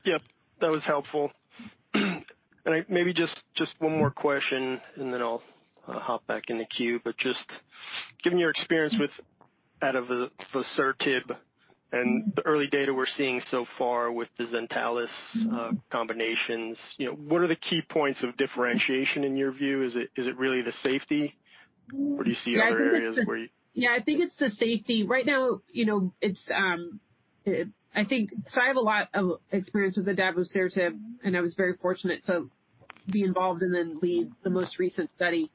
Yep, that was helpful. Maybe just one more question, and then I'll hop back in the queue. Just given your experience with adavosertib and the early data we're seeing so far with the Zentalis combinations, you know, what are the key points of differentiation in your view? Is it really the safety? Or do you see other areas where you- Yeah, I think it's the safety. Right now, you know, it's. I think I have a lot of experience with adavosertib, and I was very fortunate to be involved and then lead the most recent study.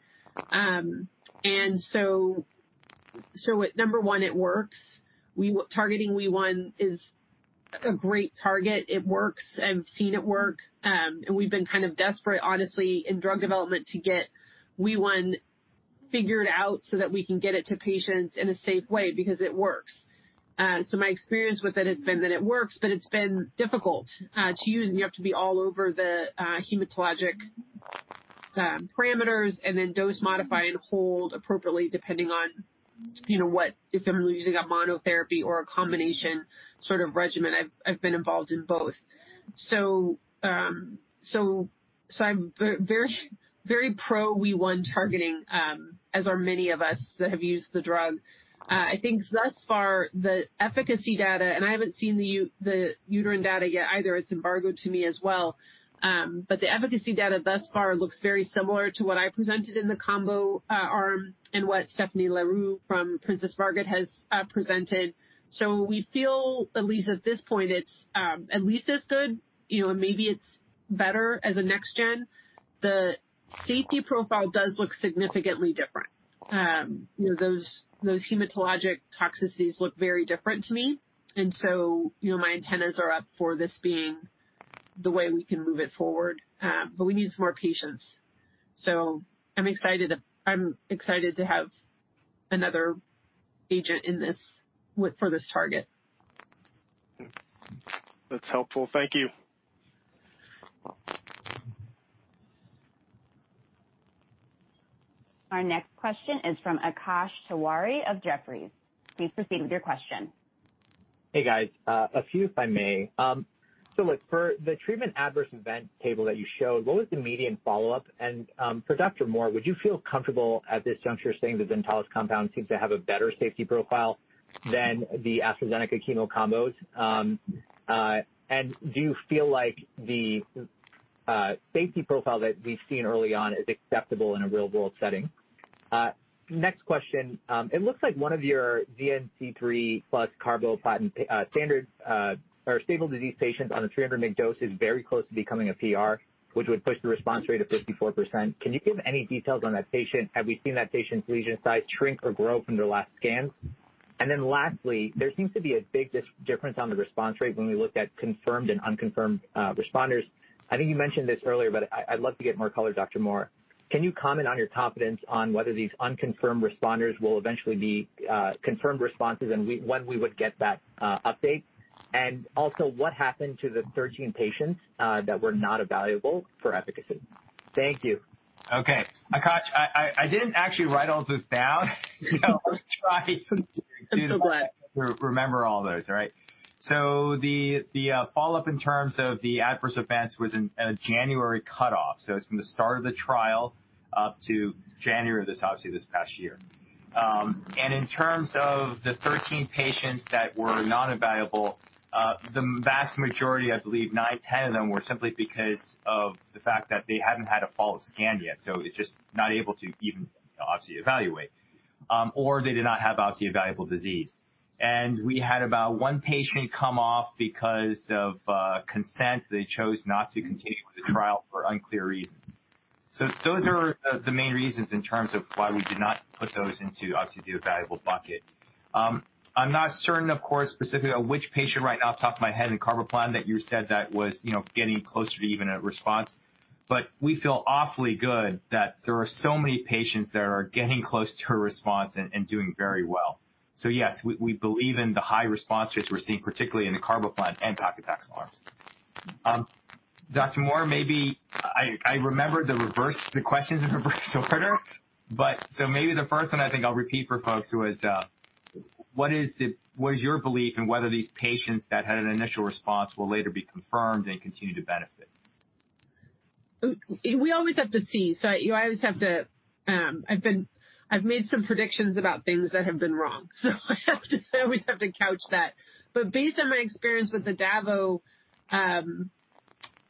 Number one, it works. Targeting WEE1 is a great target. It works. I've seen it work. We've been kind of desperate, honestly, in drug development to get WEE1 figured out so that we can get it to patients in a safe way because it works. My experience with it has been that it works, but it's been difficult to use, and you have to be all over the hematologic parameters and then dose, modify, and hold appropriately, depending on, you know, if I'm using a monotherapy or a combination sort of regimen. I've been involved in both. I'm very pro WEE1 targeting, as are many of us that have used the drug. I think thus far, the efficacy data, and I haven't seen the uterine data yet either. It's embargoed to me as well. The efficacy data thus far looks very similar to what I presented in the combo arm and what Stéphanie Lheureux from Princess Margaret has presented. We feel at least at this point, it's at least as good, you know, and maybe it's better as a next gen. The safety profile does look significantly different. Those hematologic toxicities look very different to me. My antennas are up for this being the way we can move it forward. We need some more patients. I'm excited to have another agent in this for this target. That's helpful. Thank you. Our next question is from Akash Tewari of Jefferies. Please proceed with your question. Hey, guys. A few if I may. So look, for the treatment adverse event table that you showed, what was the median follow-up? For Dr. Moore, would you feel comfortable at this juncture saying the Zentalis compound seems to have a better safety profile than the AstraZeneca chemo combos? And do you feel like the safety profile that we've seen early on is acceptable in a real-world setting? Next question. It looks like one of your ZN-c3 plus carboplatin standard or stable disease patients on the 300 mg dose is very close to becoming a PR, which would push the response rate to 54%. Can you give any details on that patient? Have we seen that patient's lesion size shrink or grow from their last scans? Then lastly, there seems to be a big difference on the response rate when we looked at confirmed and unconfirmed responders. I think you mentioned this earlier, but I'd love to get more color, Dr. Moore. Can you comment on your confidence on whether these unconfirmed responders will eventually be confirmed responses and when we would get that update? Also what happened to the 13 patients that were not evaluable for efficacy? Thank you. Okay. Akash, I didn't actually write all this down, you know, try to- I'm so glad. The follow-up in terms of the adverse events was in a January cutoff. It's from the start of the trial up to January of this past year. In terms of the 13 patients that were not evaluable, the vast majority, I believe 9, 10 of them, were simply because of the fact that they hadn't had a follow-up scan yet, so it's just not able to even obviously evaluate, or they did not have obviously evaluable disease. We had about one patient come off because of consent. They chose not to continue with the trial for unclear reasons. Those are the main reasons in terms of why we did not put those into, obviously, the evaluable bucket. I'm not certain, of course, specifically on which patient right off the top of my head in carboplatin that you said that was, you know, getting closer to even a response. But we feel awfully good that there are so many patients that are getting close to a response and doing very well. Yes, we believe in the high response rates we're seeing, particularly in the carboplatin and paclitaxel arms. Dr. Moore, maybe I remember to reverse the questions in reverse order, but maybe the first one I think I'll repeat for folks who is what is your belief in whether these patients that had an initial response will later be confirmed and continue to benefit? We always have to see. You always have to, I've made some predictions about things that have been wrong, I have to couch that. Based on my experience with the data,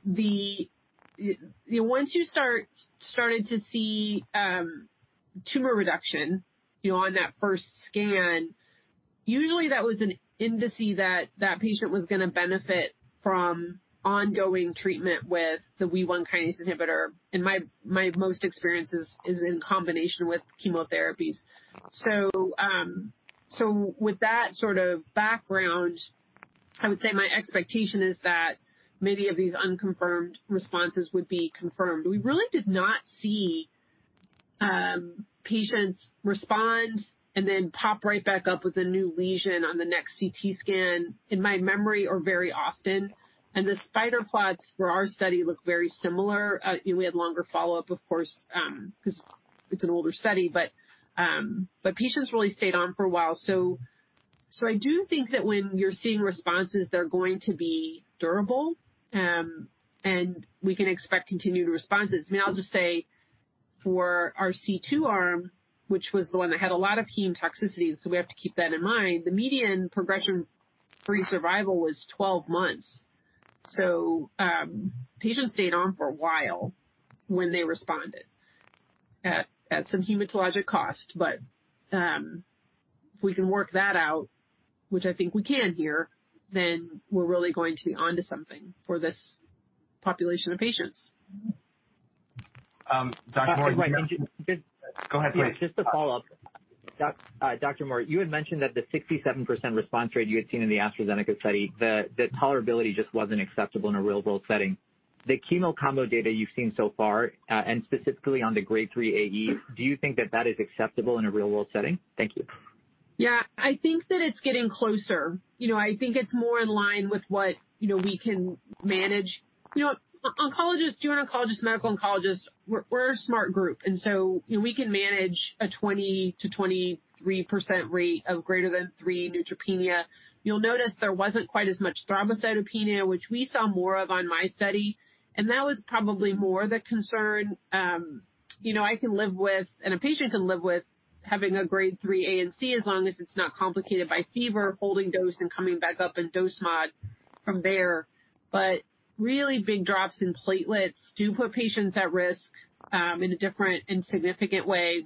you know, once you started to see tumor reduction, you know, on that first scan, usually that was an indicator that that patient was gonna benefit from ongoing treatment with the WEE1 kinase inhibitor. My experience is in combination with chemotherapies. With that sort of background, I would say my expectation is that many of these unconfirmed responses would be confirmed. We really did not see patients respond and then pop right back up with a new lesion on the next CT scan, in my memory or very often. The spider plots for our study look very similar. We had longer follow-up, of course, 'cause it's an older study, but patients really stayed on for a while. I do think that when you're seeing responses, they're going to be durable, and we can expect continued responses. I mean, I'll just say for our C2 arm, which was the one that had a lot of heme toxicity, so we have to keep that in mind. The median progression-free survival was 12 months. Patients stayed on for a while when they responded at some hematologic cost. If we can work that out, which I think we can here, then we're really going to be onto something for this population of patients. Dr. Moore Anthony Sun, can you just- Go ahead, please. Yeah, just a follow-up. Dr. Moore, you had mentioned that the 67% response rate you had seen in the AstraZeneca study, the tolerability just wasn't acceptable in a real-world setting. The chemo combo data you've seen so far, and specifically on the Grade 3 AE, do you think that is acceptable in a real-world setting? Thank you. Yeah. I think that it's getting closer. You know, I think it's more in line with what, you know, we can manage. You know, oncologists, junior oncologists, medical oncologists, we're a smart group, and so, you know, we can manage a 20%-23% rate of greater than Grade 3 neutropenia. You'll notice there wasn't quite as much thrombocytopenia, which we saw more of on my study, and that was probably more the concern. You know, I can live with, and a patient can live with, having a Grade 3 ANC as long as it's not complicated by fever, holding dose, and coming back up in dose mod from there. Really big drops in platelets do put patients at risk in a different and significant way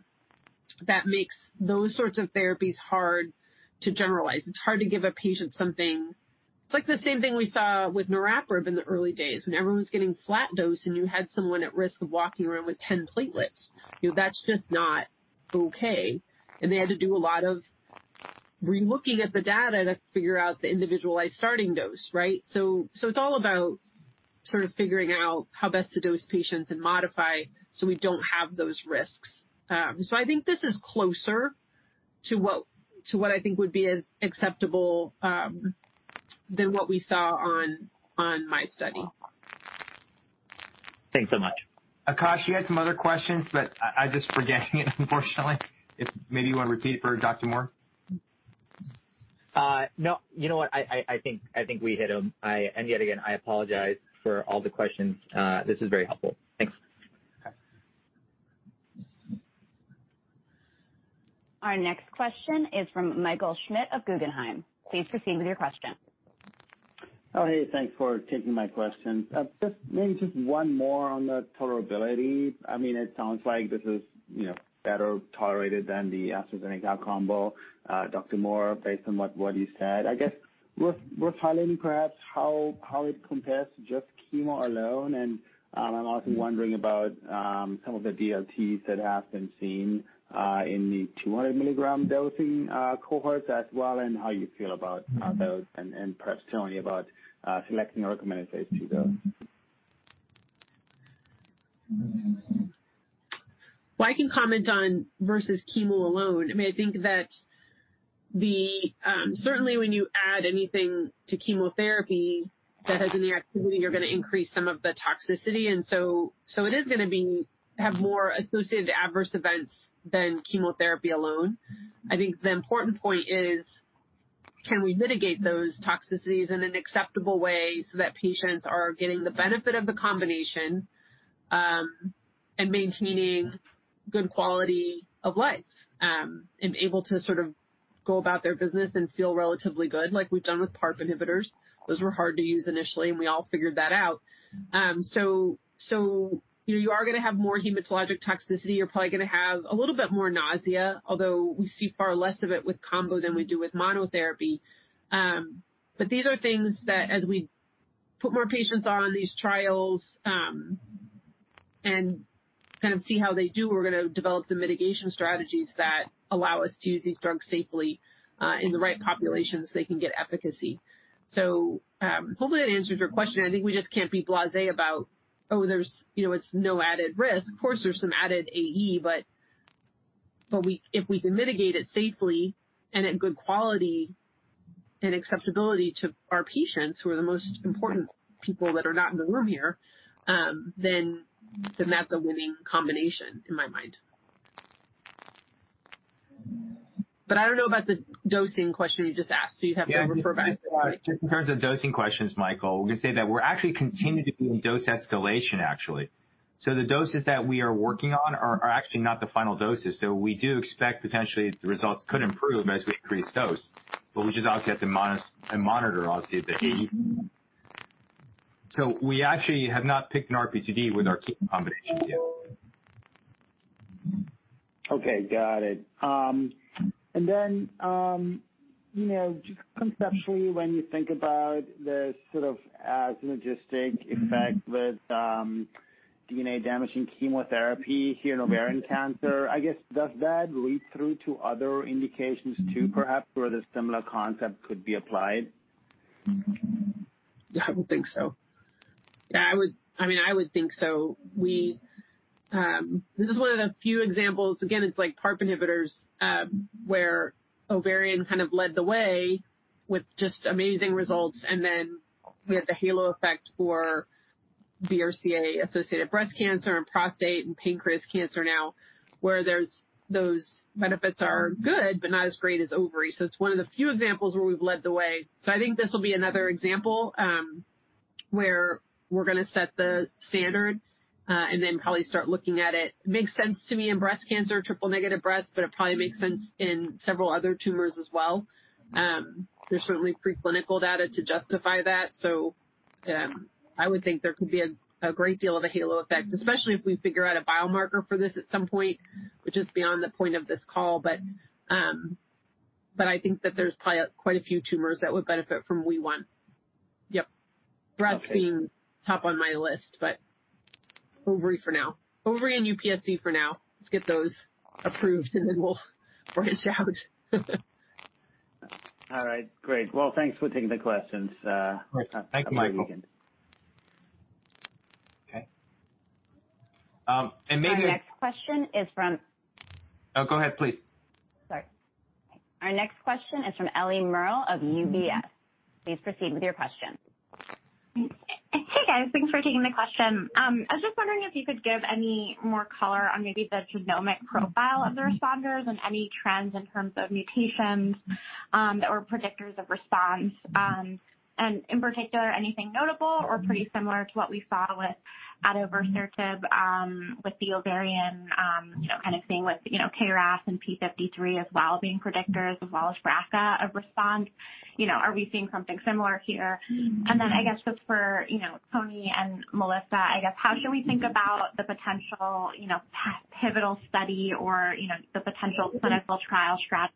that makes those sorts of therapies hard to generalize. It's hard to give a patient something. It's like the same thing we saw with niraparib in the early days when everyone's getting flat dose and you had someone at risk of walking around with 10 platelets. You know, that's just not okay. They had to do a lot of re-looking at the data to figure out the individualized starting dose, right? It's all about sort of figuring out how best to dose patients and modify so we don't have those risks. I think this is closer to what I think would be as acceptable than what we saw on my study. Thanks so much. Akash, you had some other questions, but I'm just forgetting it, unfortunately. If maybe you wanna repeat for Dr. Moore? No. You know what? I think we hit 'em. Yet again, I apologize for all the questions. This is very helpful. Thanks. Okay. Our next question is from Michael Schmidt of Guggenheim. Please proceed with your question. Oh, hey. Thanks for taking my question. Just maybe one more on the tolerability. I mean, it sounds like this is, you know, better tolerated than the AstraZeneca combo, Dr. Moore, based on what you said. I guess worth highlighting perhaps how it compares to just chemo alone and I'm also wondering about some of the DLTs that have been seen in the 200 mg dosing cohorts as well, and how you feel about those and perhaps Tony about selecting a recommended dose to those. Well, I can comment on versus chemo alone. I mean, I think that certainly when you add anything to chemotherapy that has linear activity, you're gonna increase some of the toxicity. It is gonna have more associated adverse events than chemotherapy alone. I think the important point is, can we mitigate those toxicities in an acceptable way so that patients are getting the benefit of the combination, and maintaining good quality of life, and able to sort of go about their business and feel relatively good, like we've done with PARP inhibitors. Those were hard to use initially, and we all figured that out. You are gonna have more hematologic toxicity. You're probably gonna have a little bit more nausea, although we see far less of it with combo than we do with monotherapy. These are things that as we put more patients on these trials, and kind of see how they do, we're gonna develop the mitigation strategies that allow us to use these drugs safely, in the right populations, so they can get efficacy. Hopefully, that answers your question. I think we just can't be blasé about, oh, there's, you know, it's no added risk. Of course, there's some added AE, but if we can mitigate it safely and at good quality and acceptability to our patients who are the most important people that are not in the room here, then that's a winning combination in my mind. I don't know about the dosing question you just asked, so you'd have to refer back to Tony. Yeah. Just in terms of dosing questions, Michael, we can say that we're actually continuing to do dose escalation, actually. The doses that we are working on are actually not the final doses. We do expect potentially the results could improve as we increase dose, but we just obviously have to monitor obviously the AE. We actually have not picked an RP2D with our key combinations yet. Okay, got it. You know, just conceptually, when you think about the sort of synergistic effect with DNA-damaging chemotherapy here in ovarian cancer, I guess, does that lead through to other indications too, perhaps, where the similar concept could be applied? Yeah, I would think so. I mean, I would think so. This is one of the few examples. Again, it's like PARP inhibitors, where ovarian kind of led the way with just amazing results. We had the halo effect for BRCA-associated breast cancer and prostate and pancreatic cancer now, where those benefits are good but not as great as ovarian. It's one of the few examples where we've led the way. I think this will be another example, where we're gonna set the standard, and then probably start looking at it. Makes sense to me in breast cancer, triple-negative breast, but it probably makes sense in several other tumors as well. There's certainly preclinical data to justify that. I would think there could be a great deal of a halo effect, especially if we figure out a biomarker for this at some point, which is beyond the point of this call. But I think that there's quite a few tumors that would benefit from WEE1. Yep. Breast being top on my list, but ovary for now. Ovary and UPSC for now. Let's get those approved, and then we'll branch out. All right. Great. Well, thanks for taking the questions. Of course. Thank you, Michael. Have a great weekend. Okay. Our next question is from. Oh, go ahead, please. Sorry. Our next question is from Eliana Merle of UBS. Please proceed with your question. Hey, guys. Thanks for taking the question. I was just wondering if you could give any more color on maybe the genomic profile of the responders and any trends in terms of mutations, or predictors of response. In particular, anything notable or pretty similar to what we saw with adavosertib, with the ovarian, you know, kind of thing with, you know, KRAS and TP53 as well as being predictors as well as BRCA of response. You know, are we seeing something similar here? Then I guess just for, you know, Tony and Melissa, I guess how should we think about the potential, you know, pivotal study or, you know, the potential clinical trial strategy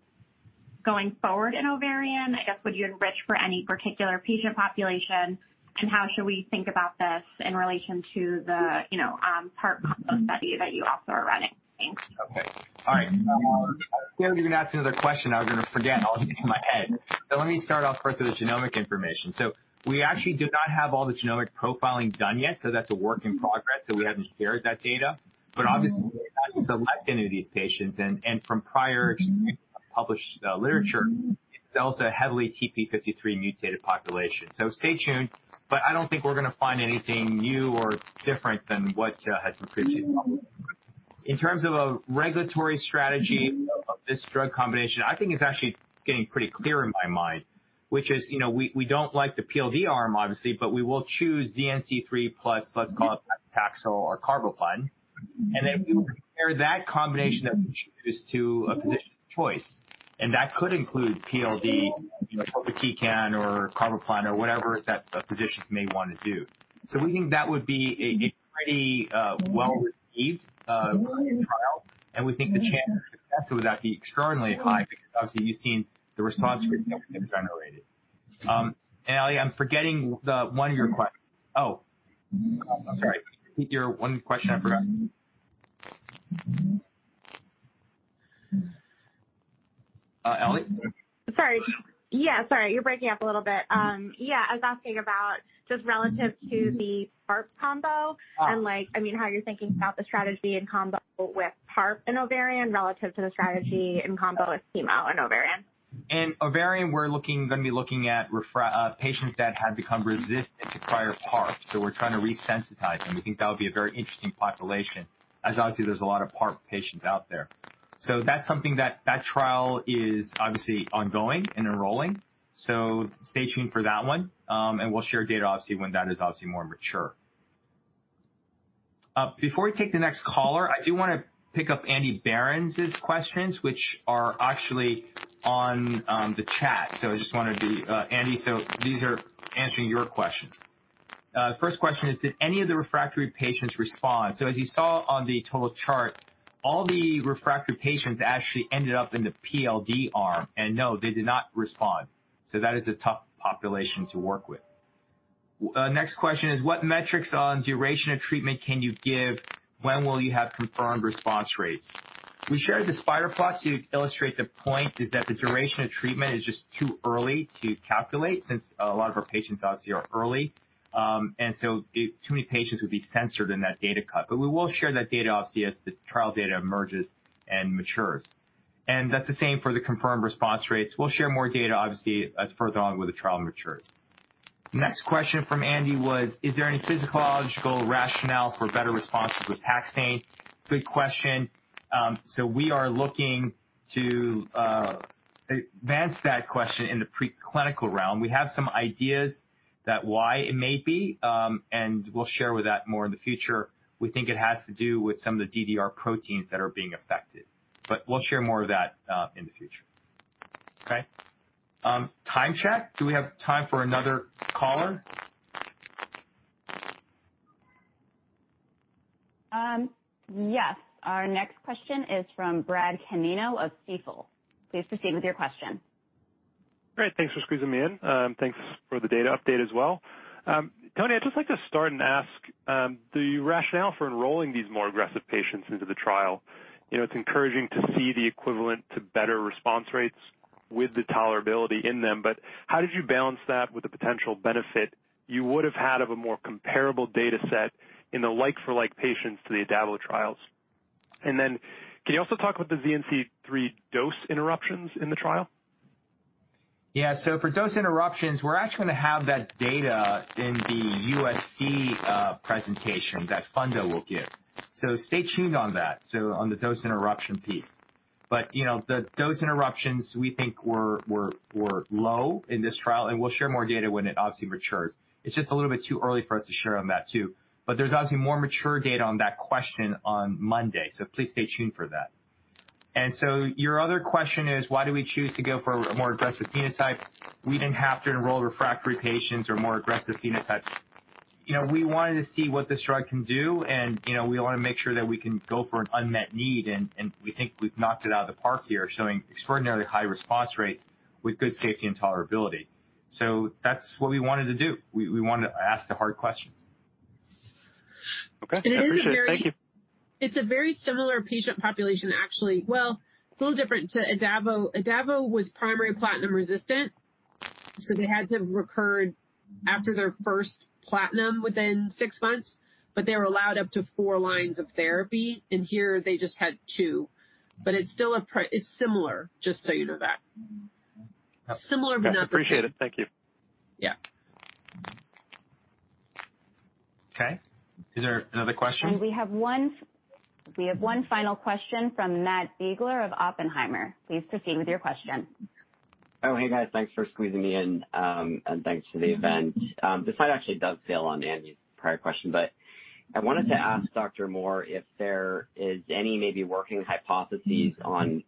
going forward in ovarian? I guess, would you enrich for any particular patient population? How should we think about this in relation to the, you know, PARP combo study that you also are running? Thanks. Okay. All right. I was scared you were gonna ask another question I was gonna forget all in my head. Let me start off first with the genomic information. We actually do not have all the genomic profiling done yet, so that's a work in progress. We haven't shared that data. Obviously, we've gotten the late end of these patients and from prior published literature, it's also a heavily TP53 mutated population. Stay tuned, but I don't think we're gonna find anything new or different than what has been previously published. In terms of a regulatory strategy of this drug combination, I think it's actually getting pretty clear in my mind, which is, you know, we don't like the PLD arm, obviously, but we will choose ZN-c3 plus, let's call it Taxol or carboplatin. Then we will compare that combination of choice to a physician's choice, and that could include PLD, you know, topotecan or carboplatin or whatever that the physicians may want to do. We think that would be a pretty well-received trial, and we think the chance of success with that be extraordinarily high because obviously you've seen the response rates that we've generated. Ellie, I'm forgetting one of your questions. Oh, I'm sorry. I think your one question I forgot, Ellie? Sorry. Yeah, sorry. You're breaking up a little bit. Yeah. I was asking about just relative to the PARP combo and like, I mean, how you're thinking about the strategy in combo with PARP and ovarian relative to the strategy in combo with chemo and ovarian. In ovarian, we're gonna be looking at refractory patients that had become resistant to prior PARP, so we're trying to resensitize them. We think that would be a very interesting population, as obviously there's a lot of PARP patients out there. That's something that trial is obviously ongoing and enrolling. Stay tuned for that one. We'll share data, obviously, when that is obviously more mature. Before we take the next caller, I do wanna pick up Andy Berens' questions, which are actually on the chat. I just wanted to. Andy, these are answering your questions. First question is, did any of the refractory patients respond? As you saw on the total chart, all the refractory patients actually ended up in the PLD arm. No, they did not respond. That is a tough population to work with. Next question is, what metrics on duration of treatment can you give? When will you have confirmed response rates? We shared the spider plot to illustrate the point is that the duration of treatment is just too early to calculate, since a lot of our patients, obviously, are early. Too many patients would be censored in that data cut. But we will share that data, obviously, as the trial data emerges and matures. That's the same for the confirmed response rates. We'll share more data, obviously, as further on when the trial matures. Next question from Andy was, is there any physiological rationale for better responses with taxane? Good question. We are looking to advance that question in the preclinical realm. We have some ideas as to why it may be, and we'll share with that more in the future. We think it has to do with some of the DDR proteins that are being affected, but we'll share more of that in the future. Okay? Time check. Do we have time for another caller? Yes. Our next question is from Bradley Canino of Stifel. Please proceed with your question. Great. Thanks for squeezing me in. Thanks for the data update as well. Tony, I'd just like to start and ask the rationale for enrolling these more aggressive patients into the trial. You know, it's encouraging to see the equivalent to better response rates with the tolerability in them, but how did you balance that with the potential benefit you would have had of a more comparable data set in the like for like patients to the adavosertib trials? Can you also talk about the ZN-c3 dose interruptions in the trial? For dose interruptions, we're actually gonna have that data in the UPSC presentation that Funda will give. Stay tuned on that, on the dose interruption piece. You know, the dose interruptions we think were low in this trial, and we'll share more data when it obviously matures. It's just a little bit too early for us to share on that too. There's obviously more mature data on that question on Monday, so please stay tuned for that. Your other question is why do we choose to go for a more aggressive phenotype? We didn't have to enroll refractory patients or more aggressive phenotypes. You know, we wanted to see what this drug can do, and, you know, we wanna make sure that we can go for an unmet need and we think we've knocked it out of the park here, showing extraordinarily high response rates with good safety and tolerability. That's what we wanted to do. We wanted to ask the hard questions. Okay. I appreciate it. Thank you. It is a very similar patient population, actually. Well, a little different to adavosertib. Adavosertib was primary platinum resistant, so they had to have recurred after their first platinum within six months. They were allowed up to four lines of therapy. Here they just had two. It's still similar, just so you know that. Got it. Similar, but not the same. Appreciate it. Thank you. Yeah. Okay. Is there another question? We have one final question from Matt Biegler of Oppenheimer. Please proceed with your question. Oh, hey, guys. Thanks for squeezing me in. Thanks for the event. This one actually does fail on Andy's prior question, but I wanted to ask Dr. Moore if there is any maybe working hypotheses on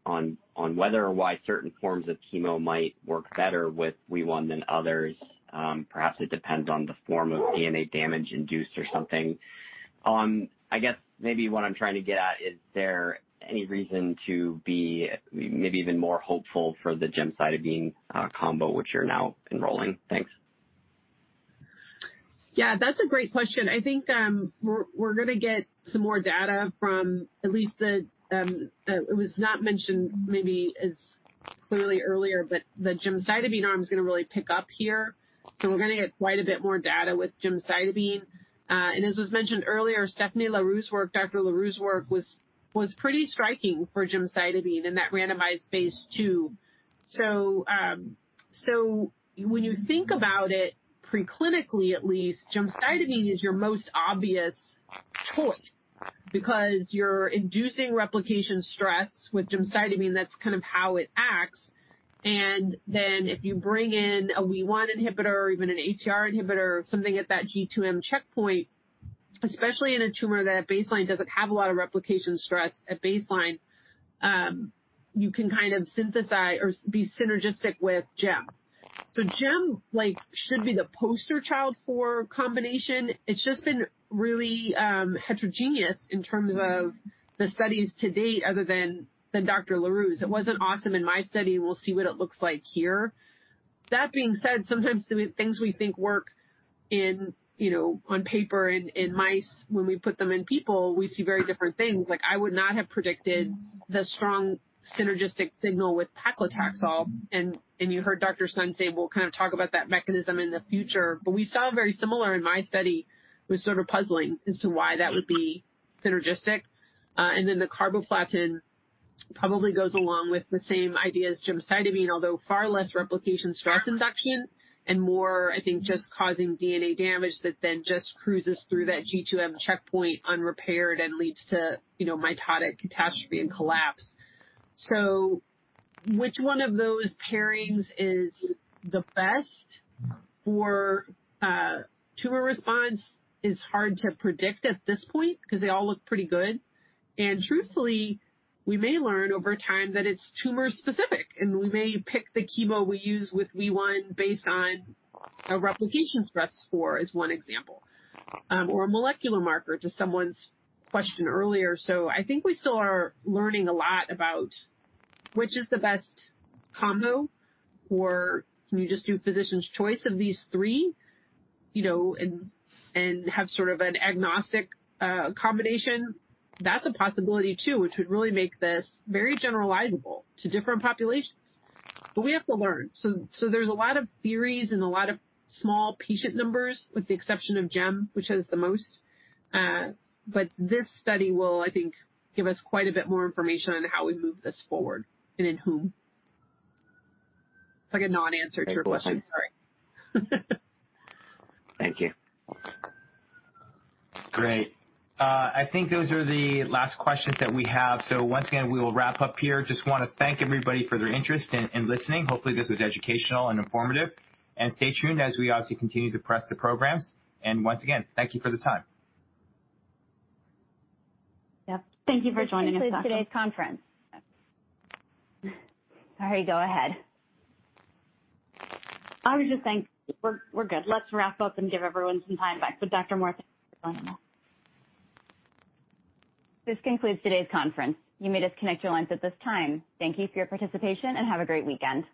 whether or why certain forms of chemo might work better with WEE1 than others. Perhaps it depends on the form of DNA damage induced or something. I guess maybe what I'm trying to get at, is there any reason to be maybe even more hopeful for the gemcitabine combo, which you're now enrolling? Thanks. Yeah, that's a great question. I think we're gonna get some more data from at least the, it was not mentioned maybe as clearly earlier, but the gemcitabine arm is gonna really pick up here. We're gonna get quite a bit more data with gemcitabine. As was mentioned earlier, Stéphanie Lheureux's work, Dr. Lheureux's work was pretty striking for gemcitabine in that randomized phase II. When you think about it preclinically at least, gemcitabine is your most obvious choice because you're inducing replication stress with gemcitabine, that's kind of how it acts. If you bring in a WEE1 inhibitor or even an ATR inhibitor or something at that G2/M checkpoint, especially in a tumor that at baseline doesn't have a lot of replication stress at baseline, you can kind of synthesize or be synergistic with gem. Gem, like, should be the poster child for combination. It's just been really heterogeneous in terms of the studies to date other than Dr. LaRue's. It wasn't awesome in my study. We'll see what it looks like here. That being said, sometimes the things we think work in, you know, on paper in mice, when we put them in people, we see very different things. Like, I would not have predicted the strong synergistic signal with paclitaxel. You heard Dr. Sun say we'll kind of talk about that mechanism in the future. We saw very similar in my study. It was sort of puzzling as to why that would be synergistic. Then the carboplatin probably goes along with the same idea as gemcitabine, although far less replication stress induction and more, I think, just causing DNA damage that then just cruises through that G2/M checkpoint unrepaired and leads to, you know, mitotic catastrophe and collapse. Which one of those pairings is the best for tumor response is hard to predict at this point because they all look pretty good. Truthfully, we may learn over time that it's tumor specific, and we may pick the chemo we use with WEE1 based on a replication stress score is one example, or a molecular marker to someone's question earlier. I think we still are learning a lot about which is the best combo, or can you just do physician's choice of these three, you know, and have sort of an agnostic combination. That's a possibility, too, which would really make this very generalizable to different populations. We have to learn. There's a lot of theories and a lot of small patient numbers, with the exception of GEM, which has the most. This study will, I think, give us quite a bit more information on how we move this forward and in whom. It's like a non-answer to your question. Sorry. Thank you. Great. I think those are the last questions that we have. So once again, we will wrap up here. Just wanna thank everybody for their interest in listening. Hopefully, this was educational and informative. Stay tuned as we obviously continue to press the programs. Once again, thank you for the time. Yeah. Thank you for joining us. This concludes today's conference. Sorry, go ahead. I was just saying we're good. Let's wrap up and give everyone some time back. Dr. Moore, thank you for joining us. This concludes today's conference. You may disconnect your lines at this time. Thank you for your participation, and have a great weekend.